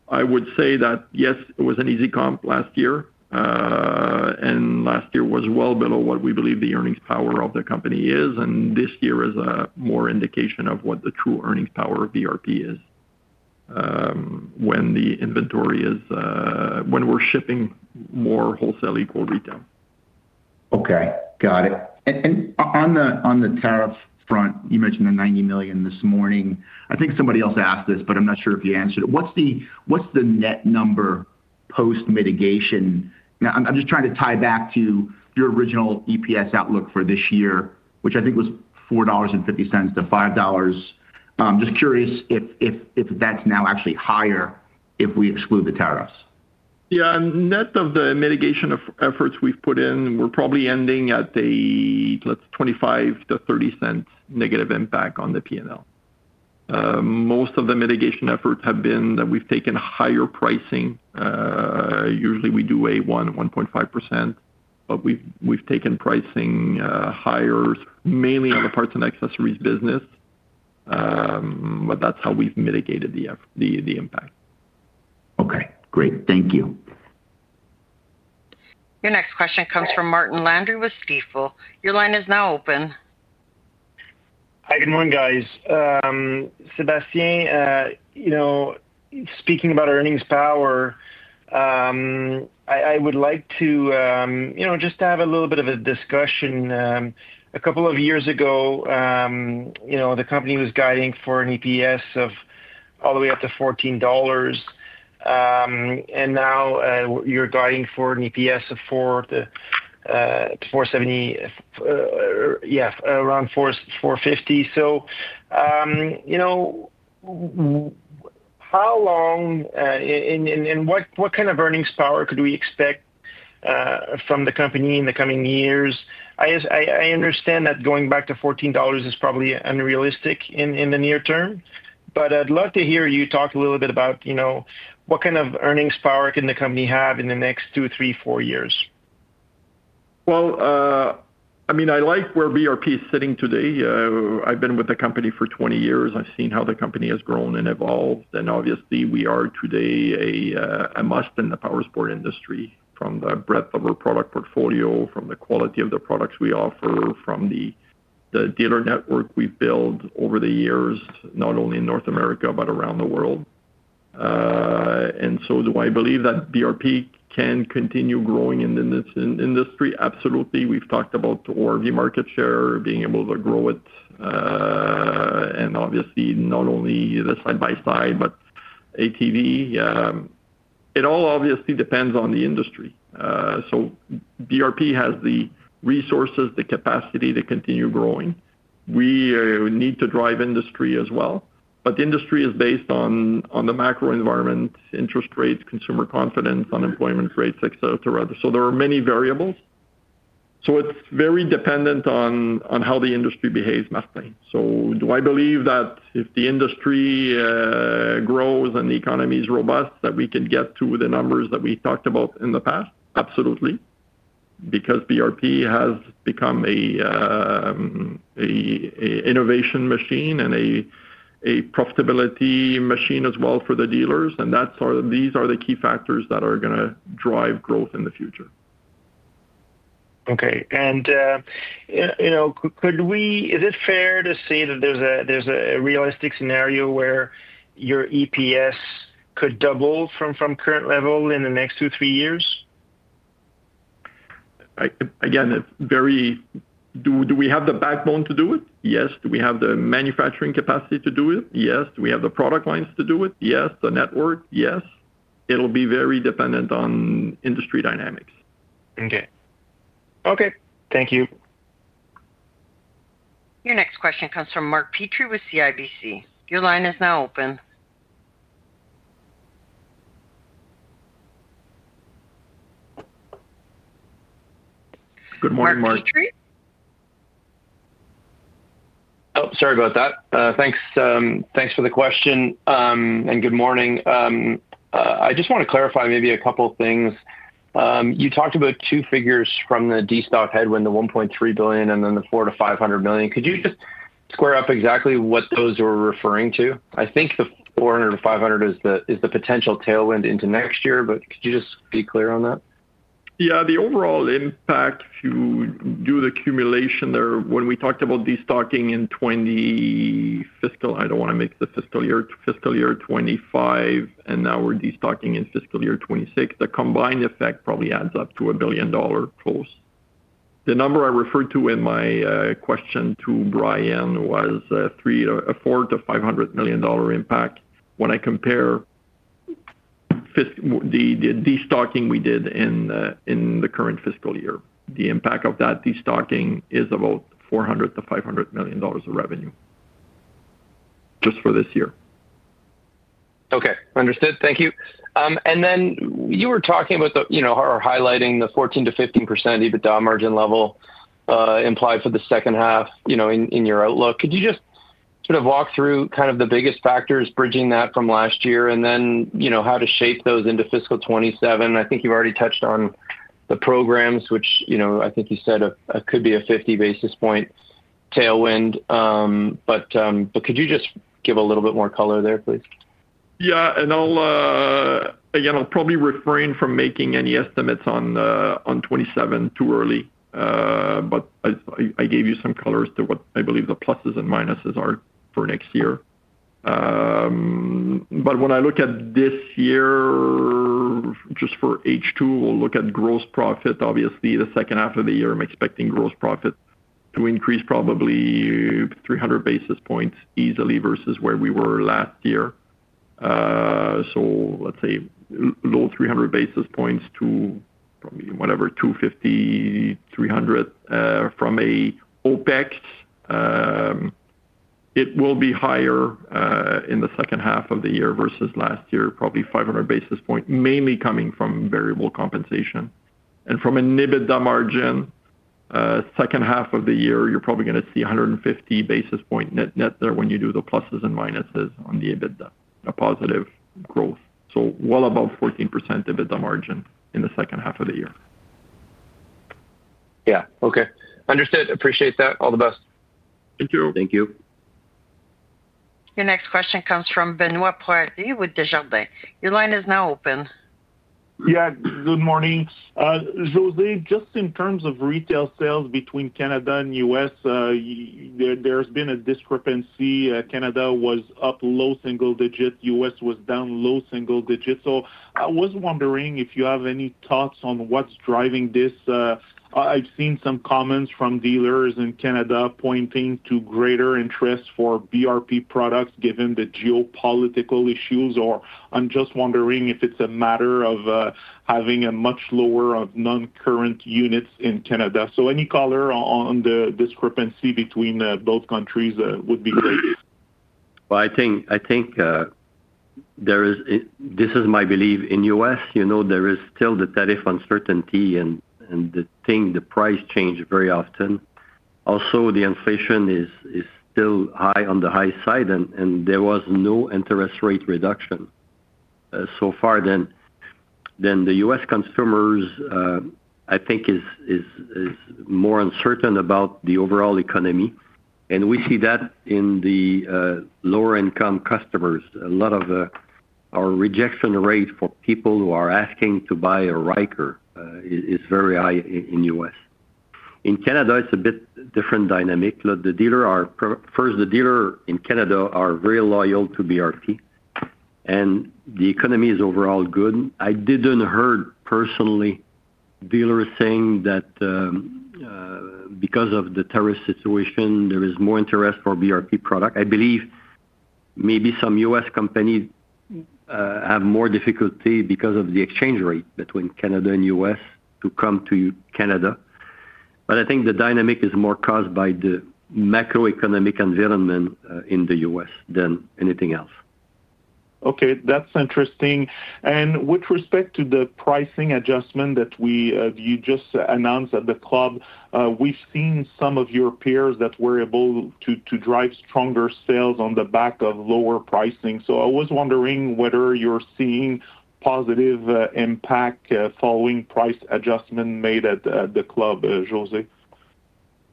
I would say that yes, it was an easy comp last year and last year was well below what we believe the earnings power of the company is. This year is a more indication of what the true earnings power of BRP is when the inventory is, when we're shipping more wholesale equal retailers. Okay, got it. On the tariff front you mentioned the 90 million this morning. I think somebody else asked this but I'm not sure if you answered it. What's the net number post mitigation? I'm just trying to tie back to your original EPS outlook for this year which I think was 4.50-5 dollars. Just curious if that's now actually higher if we exclude the tariffs. Yeah, net of the mitigation efforts we've put in, we're probably ending at a +0.25-0.30 negative impact on the P&L. Most of the mitigation efforts have been that we've taken higher pricing. Usually we do a 1%, 1.5% but we've taken pricing higher mainly on the parts and accessories business. That's how we've mitigated the impact. Okay, great. Thank you. Your next question comes from Martin Landry with Stifel. Your line is now open. Hi, good morning guys. Sébastien, speaking about earnings power, I would like to just have a little bit of a discussion. A couple of years ago, the company was guiding for an EPS of all the way up to 14 dollars. And now you're guiding for an EPS of 4.70, yeah, around 4.50. How long and what kind of earnings power could we expect from the company in the coming years? I understand that going back to 14 dollars is probably unrealistic in the near term, but I'd love to hear you talk a little bit about what kind of earnings power can the company have in the next two, three, four years? I like where BRP is sitting today. I've been with the company for 20 years. I've seen how the company has grown and evolved. Obviously, we are today a must in the powersport industry. From the breadth of our product portfolio, from the quality of the products we offer, from the dealer network we built over the years, not only in North America, but around the world. Do I believe that BRP can continue growing in this industry? Absolutely. We've talked about ORV market share, being able to grow it and obviously not only the side-by-side, but ATV. It all depends on the industry. BRP has the resources, the capacity to continue growing. We need to drive industry as well. Industry is based on the macro environment, interest rates, consumer confidence, unemployment rates, etc. There are many variables. It's very dependent on how the industry behaves. Do I believe that if the industry grows and the economy is robust, that we can get to the numbers that we talked about in the past? Absolutely, because BRP has become an innovation machine and a profitability machine as well for the dealers. These are the key factors that are going to drive growth in the future. Could we, is it fair to say that there's a realistic scenario where your EPS could double from current level in the next two, three years? Do we have the backbone to do it? Yes. Do we have the manufacturing capacity to do it? Yes. Do we have the product lines to do it? Yes. The network? Yes. It'll be very dependent on industry dynamics. Okay, thank you. Your next question comes from Mark Petrie with CIBC. Your line is now open. Good morning, Mark. Sorry about that. Thanks. Thanks for the question. Good morning. I just want to clarify maybe a couple things. You talked about two figures from the DSTOT headwind, the 1.3 billion and then the 400 million-500 million. Could you just square up exactly what those are referring to? I think the 400 million-500 million is the potential tailwind into next year. Could you just be clear on that? Yeah, the overall impact, you do the accumulation there. When we talked about destocking in fiscal year 2025 and now we're destocking in fiscal year 2026, the combined effect probably adds up to a 1 billion dollar close. The number I referred to in my question to Brian was 400 million-500 million dollar impact. When I compare the destocking we did in the current fiscal year, the impact of that destocking is about 400 million-500 million dollars of revenue just for this year. Okay, understood. Thank you. You were talking about or highlighting the 14%-15% EBITDA margin level implied for the second half in your outlook. Could you just sort of walk through the biggest factors bridging that from last year and how to shape those into fiscal 2027? I think you've already touched on the programs which, I think you said could be a 50 basis point tailwind. Could you just give a little bit more color there, please? Yeah, I'll probably refrain from making any estimates on 2027 too early, but I gave you some colors to what I believe the pluses and minuses are for next year. When I look at this year, just for H2, we'll look at gross profit, obviously the second half of the year. I'm expecting gross profit to increase probably 300 basis points easily versus where we were last year. Let's say low 300 basis points to whatever, 250, 300 from an OpEx. It will be higher in the second half of the year versus last year, probably 500 basis points, mainly coming from variable compensation. From an EBITDA margin second half of the year, you're probably going to see 150 basis points net net there. When you do the pluses and minuses on the EBITDA, a positive growth. Well above 14% EBITDA margin in the second half of the year. Yeah, okay, understood. Appreciate that. All the best. Thank you. Thank you. Your next question comes from Benoit Poirier with Desjardins. Your line is now open. Yeah. Good morning, José. Just in terms of retail sales between Canada and the U.S., there's been a discrepancy. Canada was up low single digit, the U.S. was down low-single digit. I was wondering if you have any thoughts on what's driving this. I've seen some comments from dealers in Canada pointing to greater interest for BRP products given the geopolitical issues. I'm just wondering if it's a matter of having a much lower non-current units in Canada, so any color on the discrepancy between both countries would be appreciated. I think this is my belief in U.S. There is still the tariff uncertainty, and the price changes very often. Also, the inflation is still on the high side, and there was no interest rate reduction so far. The U.S. consumers, I think, are more uncertain about the overall economy, and we see that in the lower income customers. A lot of our rejection rate for people who are asking to buy a Riker is very high in U.S. In Canada, it's a bit different dynamic. The dealers are, first, the dealers in Canada are very loyal to BRP, and the economy is overall good. I didn't hear personally dealers saying that because of the tariff situation there is more interest for BRP product. I believe maybe some U.S. companies have more difficulty because of the exchange rate between Canada and U.S. to come to Canada. I think the dynamic is more caused by the macroeconomic environment in the U.S. than anything else. That's interesting. With respect to the pricing adjustment that you just announced at the Club BRP, we've seen some of your peers in Europe that were able to drive stronger sales on the back of lower pricing. I was wondering whether you're seeing positive impact following the price adjustment made at the Club BRP. Jose.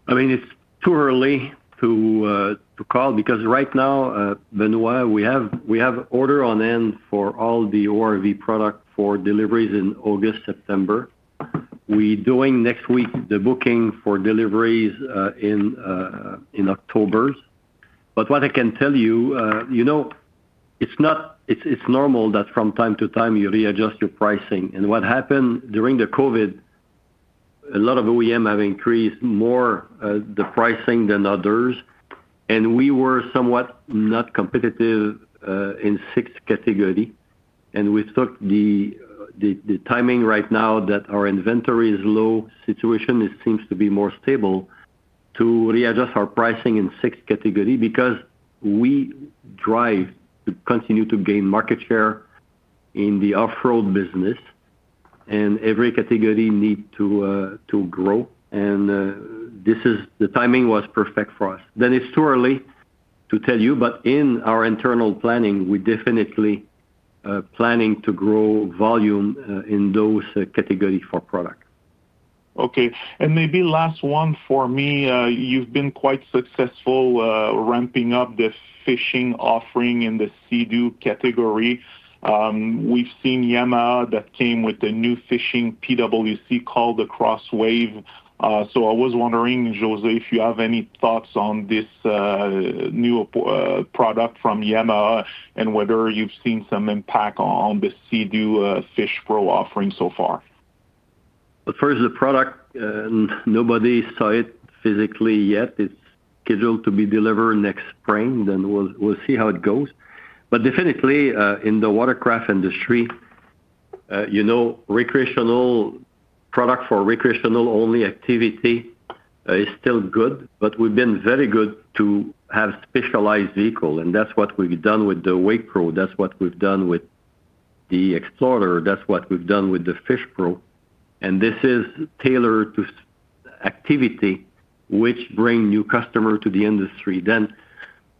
I mean it's too early to call because right now Benoit, we have order on end for all the ORV product for deliveries in August, September. We doing next week the booking for deliveries in October. What I can tell you, it's normal that from time to time you readjust your pricing. What happened during the COVID, a lot of OEM have increased more the pricing than others. We were somewhat not competitive in six category. We took the timing right now that our inventory is low, situation seems to be more stable, to readjust our pricing in six category because we drive to continue to gain market share in the off-road business. Every category need to grow. The timing was perfect for us historically to tell you. In our internal planning, we definitely planning to grow volume in those categories for product. Okay, and maybe last one for me, you've been quite successful ramping up the fishing offering in the Sea-Doo category. We've seen Yamaha that came with the new fishing PWC called the Cross Wave. I was wondering, José, if you have any thoughts on this new product from Yamaha and whether you've seen some impact on the Sea-Doo Fish Pro offering so far? First, the product, nobody saw it physically yet. It's scheduled to be delivered next spring. We'll see how it goes. In the watercraft industry, you know, recreational product for recreational only activity is still good. We've been very good to have specialized vehicle and that's what we've done with the WakePro, that's what we've done with the Explorer, that's what we've done with the Fish Pro. This is tailored to activity which bring new customer to the industry.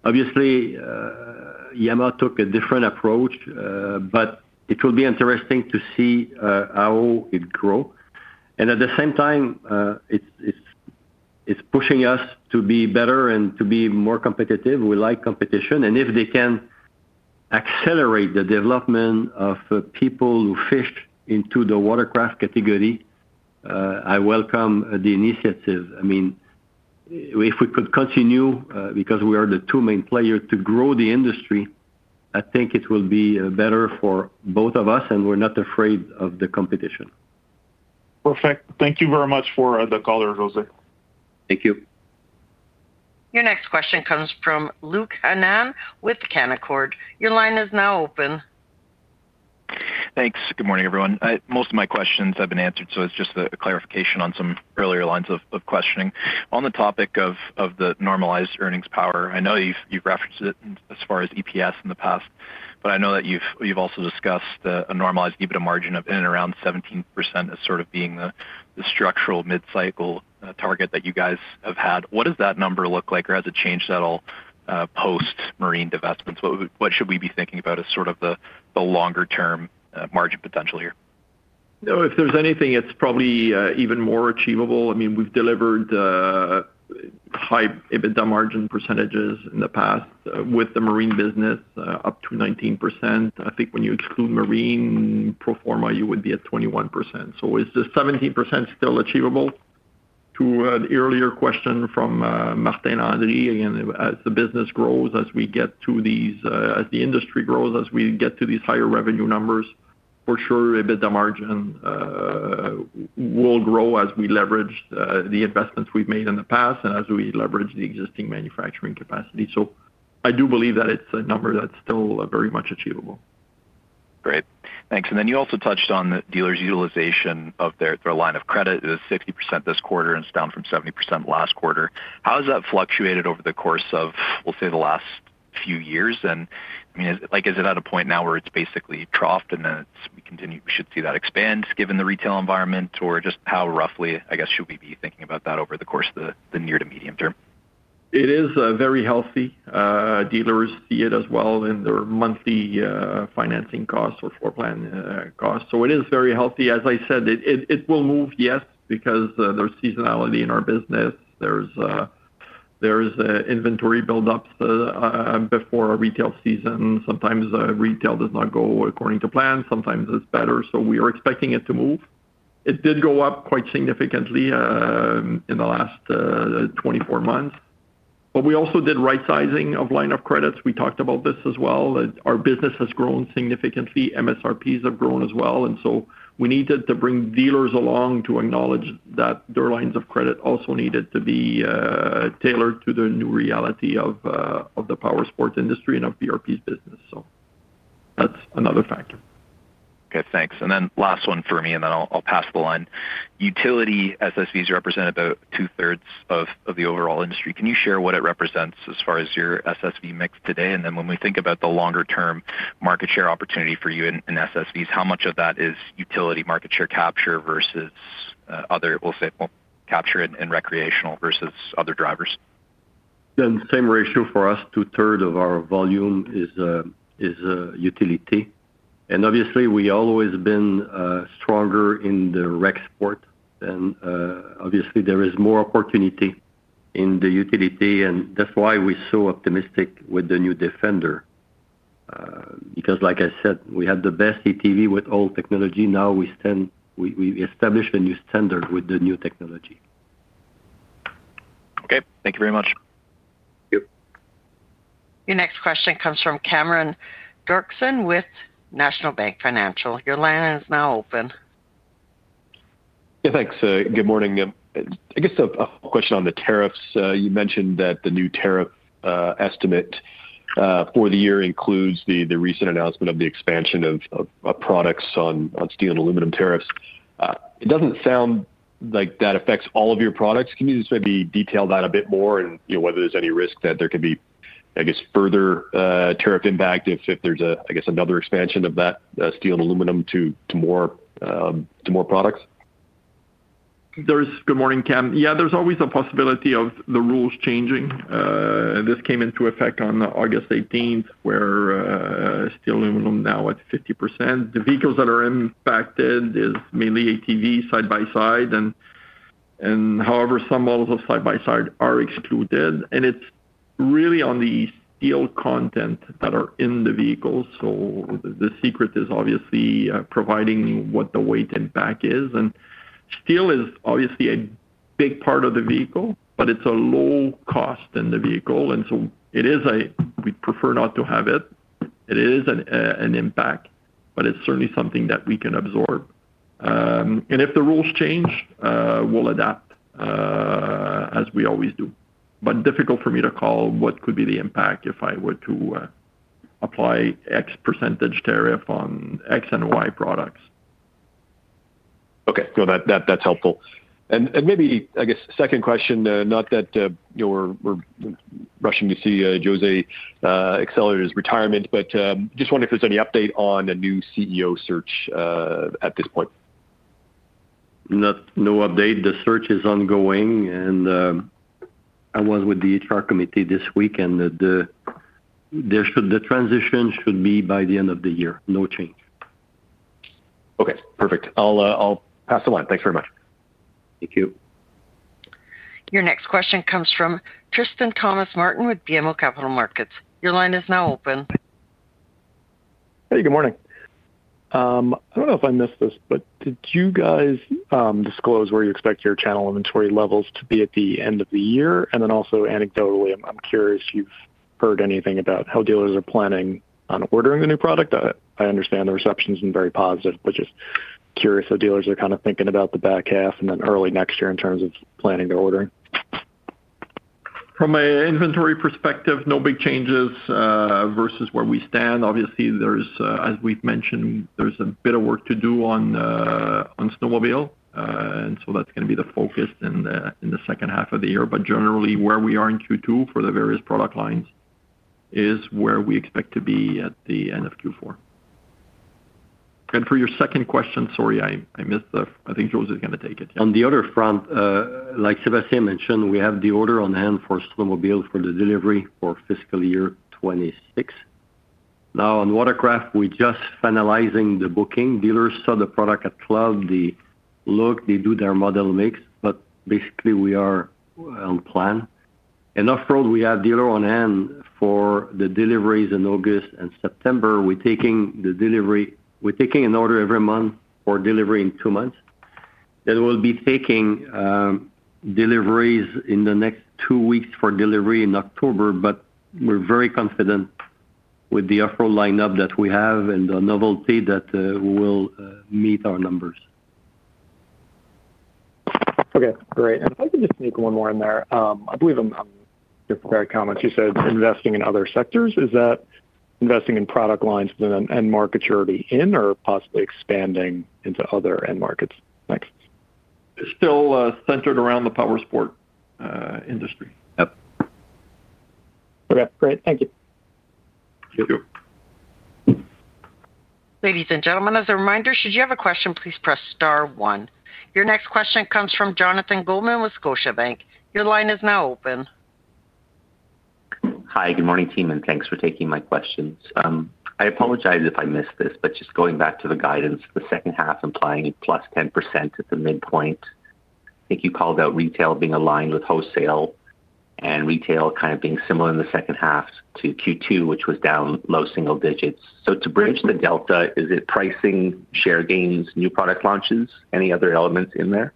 Obviously, Yema took a different approach but it will be interesting to see how it grow and at the same time it's pushing us to be better and to be more competitive. We like competition and if they can accelerate the development of people who fit into the watercraft category, I welcome the initiative. If we could continue because we are the two main players to grow the industry, I think it will be better for both of us and we're not afraid of the competition. Perfect. Thank you very much for the call, José. Thank you. Your next question comes from Luke Hannan with Canaccord. Your line is now open. Thanks. Good morning everyone. Most of my questions have been answered, so it's just a clarification on some earlier lines of questioning. On the topic of the normalized earnings power. I know you've referenced it as far as EPS in the past, but I know that you've also discussed a normalized EBITDA margin of in and around 17% as sort of being the structural mid cycle target that you guys have had. What does that number look like or has it changed at all post marine divestments? What should we be thinking about as sort of the longer term margin potential here? No, if there's anything, it's probably even more achievable. I mean, we've delivered high EBITDA margin percentages in the past with the marine business up to 19%. I think when you exclude Marine pro forma, you would be at 21%. Is the 17% still achievable? To an earlier question from Martin Landry? Again, as the business grows, as we get to these, as the industry grows, as we get to these higher revenue numbers, for sure EBITDA margin will grow as we leverage the investments we've made in the past and as we leverage the existing manufacturing. I do believe that it's a number that's still very much achievable. Great, thanks. You also touched on the dealers' utilization of their line of credit is 50% this quarter and it's down from 70% last quarter. How has that fluctuated over the course of, we'll say, the last few years and is it at a point now where it's basically troughed and then we should see that expand given the retail environment or just how roughly should we be thinking about that over the course of the near to medium term? It is very healthy. Dealers see it as well in their monthly financing costs or floor plan costs. It is very healthy. It will move, yes, because there's seasonality in our business. There is inventory buildups before a retail season. Sometimes retail does not go according to plan. Sometimes it's better. We are expecting it to move. It did go up quite significantly in the last 24 months. We also did rightsizing of lines of credit. We talked about this as well. Our business has grown significantly. MSRPs have grown as well. We needed to bring dealers along to acknowledge that their lines of credit also needed to be tailored to the new reality of the powersports industry and our BRP business. That's another factor. Okay, thanks. Last one for me and then I'll pass the line. Utility side-by-sides represent about 2/3 of the overall industry. Can you share what it represents as far as your side-by-side mix today? When we think about the longer term market share opportunity for you in side-by-sides, how much of that is utility market share capture versus other? We'll say capture and recreational versus other drivers. The same ratio applies. For us, 2/3 of our volume is utility, and obviously we've always been stronger in the rec sport, and obviously there is more opportunity in the utility. That's why we're so optimistic with the new Defender, because like I said, we had the best ATV with all technology. Now we establish a new standard with the new technology. Okay, thank you very much. Your next question comes from Cameron Doerksen with National Bank Financial. Your line is now open. Thanks. Good morning. I guess a question on the tariffs. You mentioned that the new tariff estimate for the year includes the recent announcement of the expansion of products on steel and aluminum tariffs. It doesn't sound like that affects all of your products. Can you just maybe detail that a bit more and whether there's any risk that there could be, I guess, further tariff impact if there's, I guess, another expansion of that steel and aluminum to more products. Good morning. Cam. Yeah, there's always a possibility of the rules changing. This came into effect on August 18th where steel, aluminum, now at 50%. The vehicles that are impacted is mainly ATV side-by-side. However, some models of side-by-side are excluded and it's really on the steel content that are in the vehicle. The secret is obviously providing what the weight and back is. Steel is obviously a big part of the vehicle, but it's a low cost in the vehicle. It is a, we prefer not to have it. It is an impact, but it's certainly something that we can absorb. If the rules change, we'll adapt as we always do. Difficult for me to call what could be the impact if I were to apply X % tariff on X and Y products. Okay, that's helpful and maybe, I guess, second question. Not that we're rushing to see José accelerate his retirement, but just wondering if there's any update on a new CEO search at this point? No update. The search is ongoing, and I was with the HR Committee this week. The transition should be by the end of the year. No change. Okay, perfect. I'll pass the line. Thanks very much. Thank you. Your next question comes from Tristan Thomas-Martin with DMO Capital Markets. Your line is now open. Hey, good morning. I don't know if I missed this, but did you guys disclose where you expect your channel inventory levels to be at the end of the year? Also, anecdotally, I'm curious if you've heard anything about how dealers are planning on ordering the new product. I understand the reception's been very positive, just curious how dealers are kind of thinking about the back half and then early next year in terms of planning their ordering. from an inventory perspective. No big changes versus where we stand. Obviously, as we've mentioned, there's a bit of work to do on snowmobile, and that's going to be the focus in the second half of the year. Generally, where we are in Q2 for the various product lines is where we expect to be at the end of Q4. For your second question, sorry I missed, I think José is going to take. On the other front, like Sébastien mentioned, we have the order on hand for snowmobile for the delivery for fiscal year 2026. Now on watercraft, we're just finalizing the booking. Dealers saw the product at Club BRP. They do their model mix, but basically we are on plan and off road. We have dealer on hand for the deliveries in August and September. We're taking the delivery, we're taking an order every month for delivery in two months that will be taking deliveries in the next two weeks for delivery in October. We're very confident with the off-road lineup that we have and the novelty that will meet our numbers. Okay, great. If I could just sneak one more in there, I believe in your prepared comments you said investing in other sectors. Is that investing in product lines and markets already in or possibly expanding into other end markets? Still centered around the Powersport industry? Okay, great. Thank you. Ladies and gentlemen, as a reminder, should you have a question, please press Star one. Your next question comes from Jonathan Goldman with Scotiabank. Your line is now open. Hi, good morning team and thanks for taking my questions. I apologize if I missed this. Just going back to the guidance, the second half implying plus 10% at the midpoint, I think you called out retail being aligned with wholesale and retail kind of being similar in the second half to Q2 which was down low single digits. To bridge the delta, is it pricing, share gains, new product launches, any other elements in there?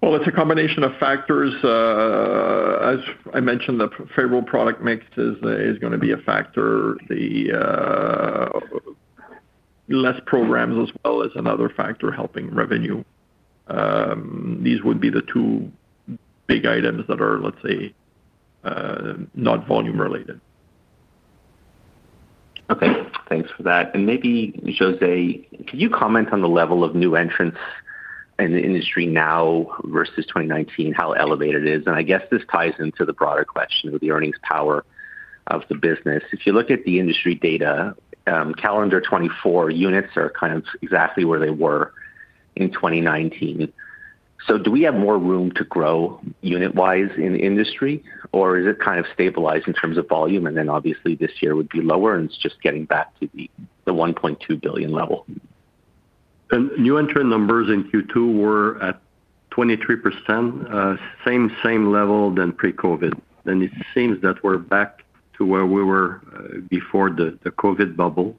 It's a combination of factors. As I mentioned, the favorable product mix is going to be a factor, less programs as well as another factor helping revenue. These would be the two big items that are, let's say, not volume related. Okay, thanks for that and maybe José, can you comment on the level of new entrants in the industry now versus 2019, how elevated it is. I guess this ties into the broader question of the earnings power of the business. If you look at the industry data calendar, 2024 units are kind of exactly where they were in 2019. Do we have more room to grow unit wise in industry or is it kind of stabilized in terms of volume and then obviously this year would be lower and it's just getting back to the 1.2 billion level. New entrant numbers in Q2 were at 23%, same level as pre-COVID. It seems that we're back to where we were before the COVID bubble.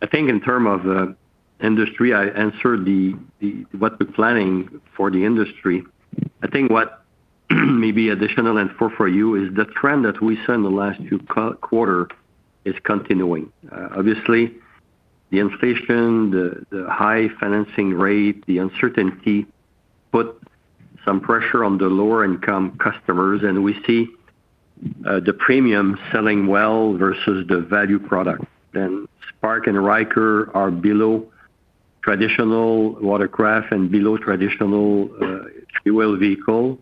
I think in terms of industry, I answered what the planning for the industry is. What may be additional for you is the trend that we saw in the last few quarters is continuing. Obviously, the inflation, the high financing rate, the uncertainty put some pressure on the lower income customers. We see the premium selling well versus the value product. Spark and Ryker are below traditional watercraft and below traditional fuel vehicle.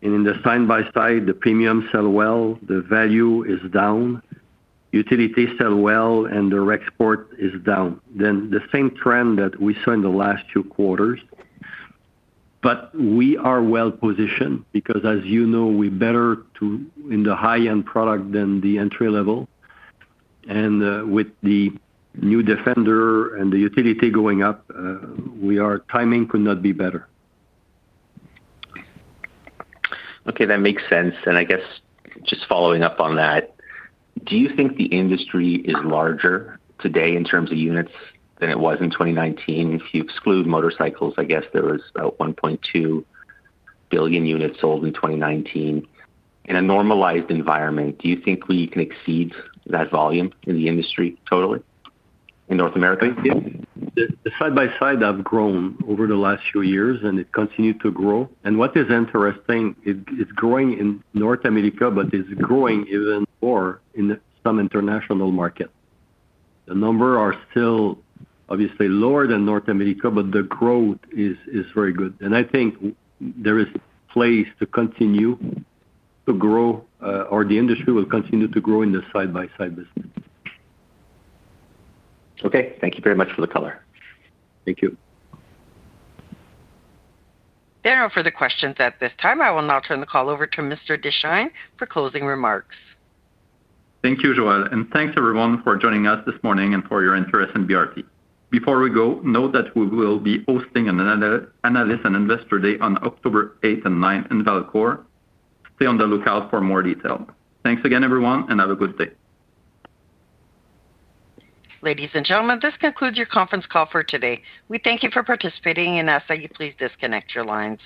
In the side-by-side, the premium sells well, the value is down, utilities sell well, and their export is down, the same trend that we saw in the last two quarters. We are well positioned because, as you know, we are better in the high-end product than the entry level. With the new Can-Am Defender and the utility going up, our timing could not be better. Okay, that makes sense. I guess just following up on that, do you think the industry is larger today in terms of units than it was in 2019? If you exclude motorcycles, I guess there was about 1.2 million units sold in 2019. In a normalized environment, do you think we can exceed that volume in the industry, totally in North America? Side-by-side have grown over the last few years and it continued to grow. What is interesting, it's growing in North America, but it's growing even more in some international market. The numbers are still obviously lower than North America, but the growth is very good. I think there is place to continue to grow or the industry will continue to grow in the side-by-side business. Okay, thank you very much for the color. Thank you. There are no further questions at this time. I will now turn the call over to Mr. Deschênes for closing remarks. Thank you, Joel. Thank you everyone for joining us this morning and for your interest in BRP. Before we go, note that we will be hosting an Analyst and Investor Day on October 8 and 9 in Valcourt. Stay on the lookout for more detail. Thanks again everyone, and have a good day. Ladies and gentlemen, this concludes your conference call for today. We thank you for participating and ask that you please disconnect your lines.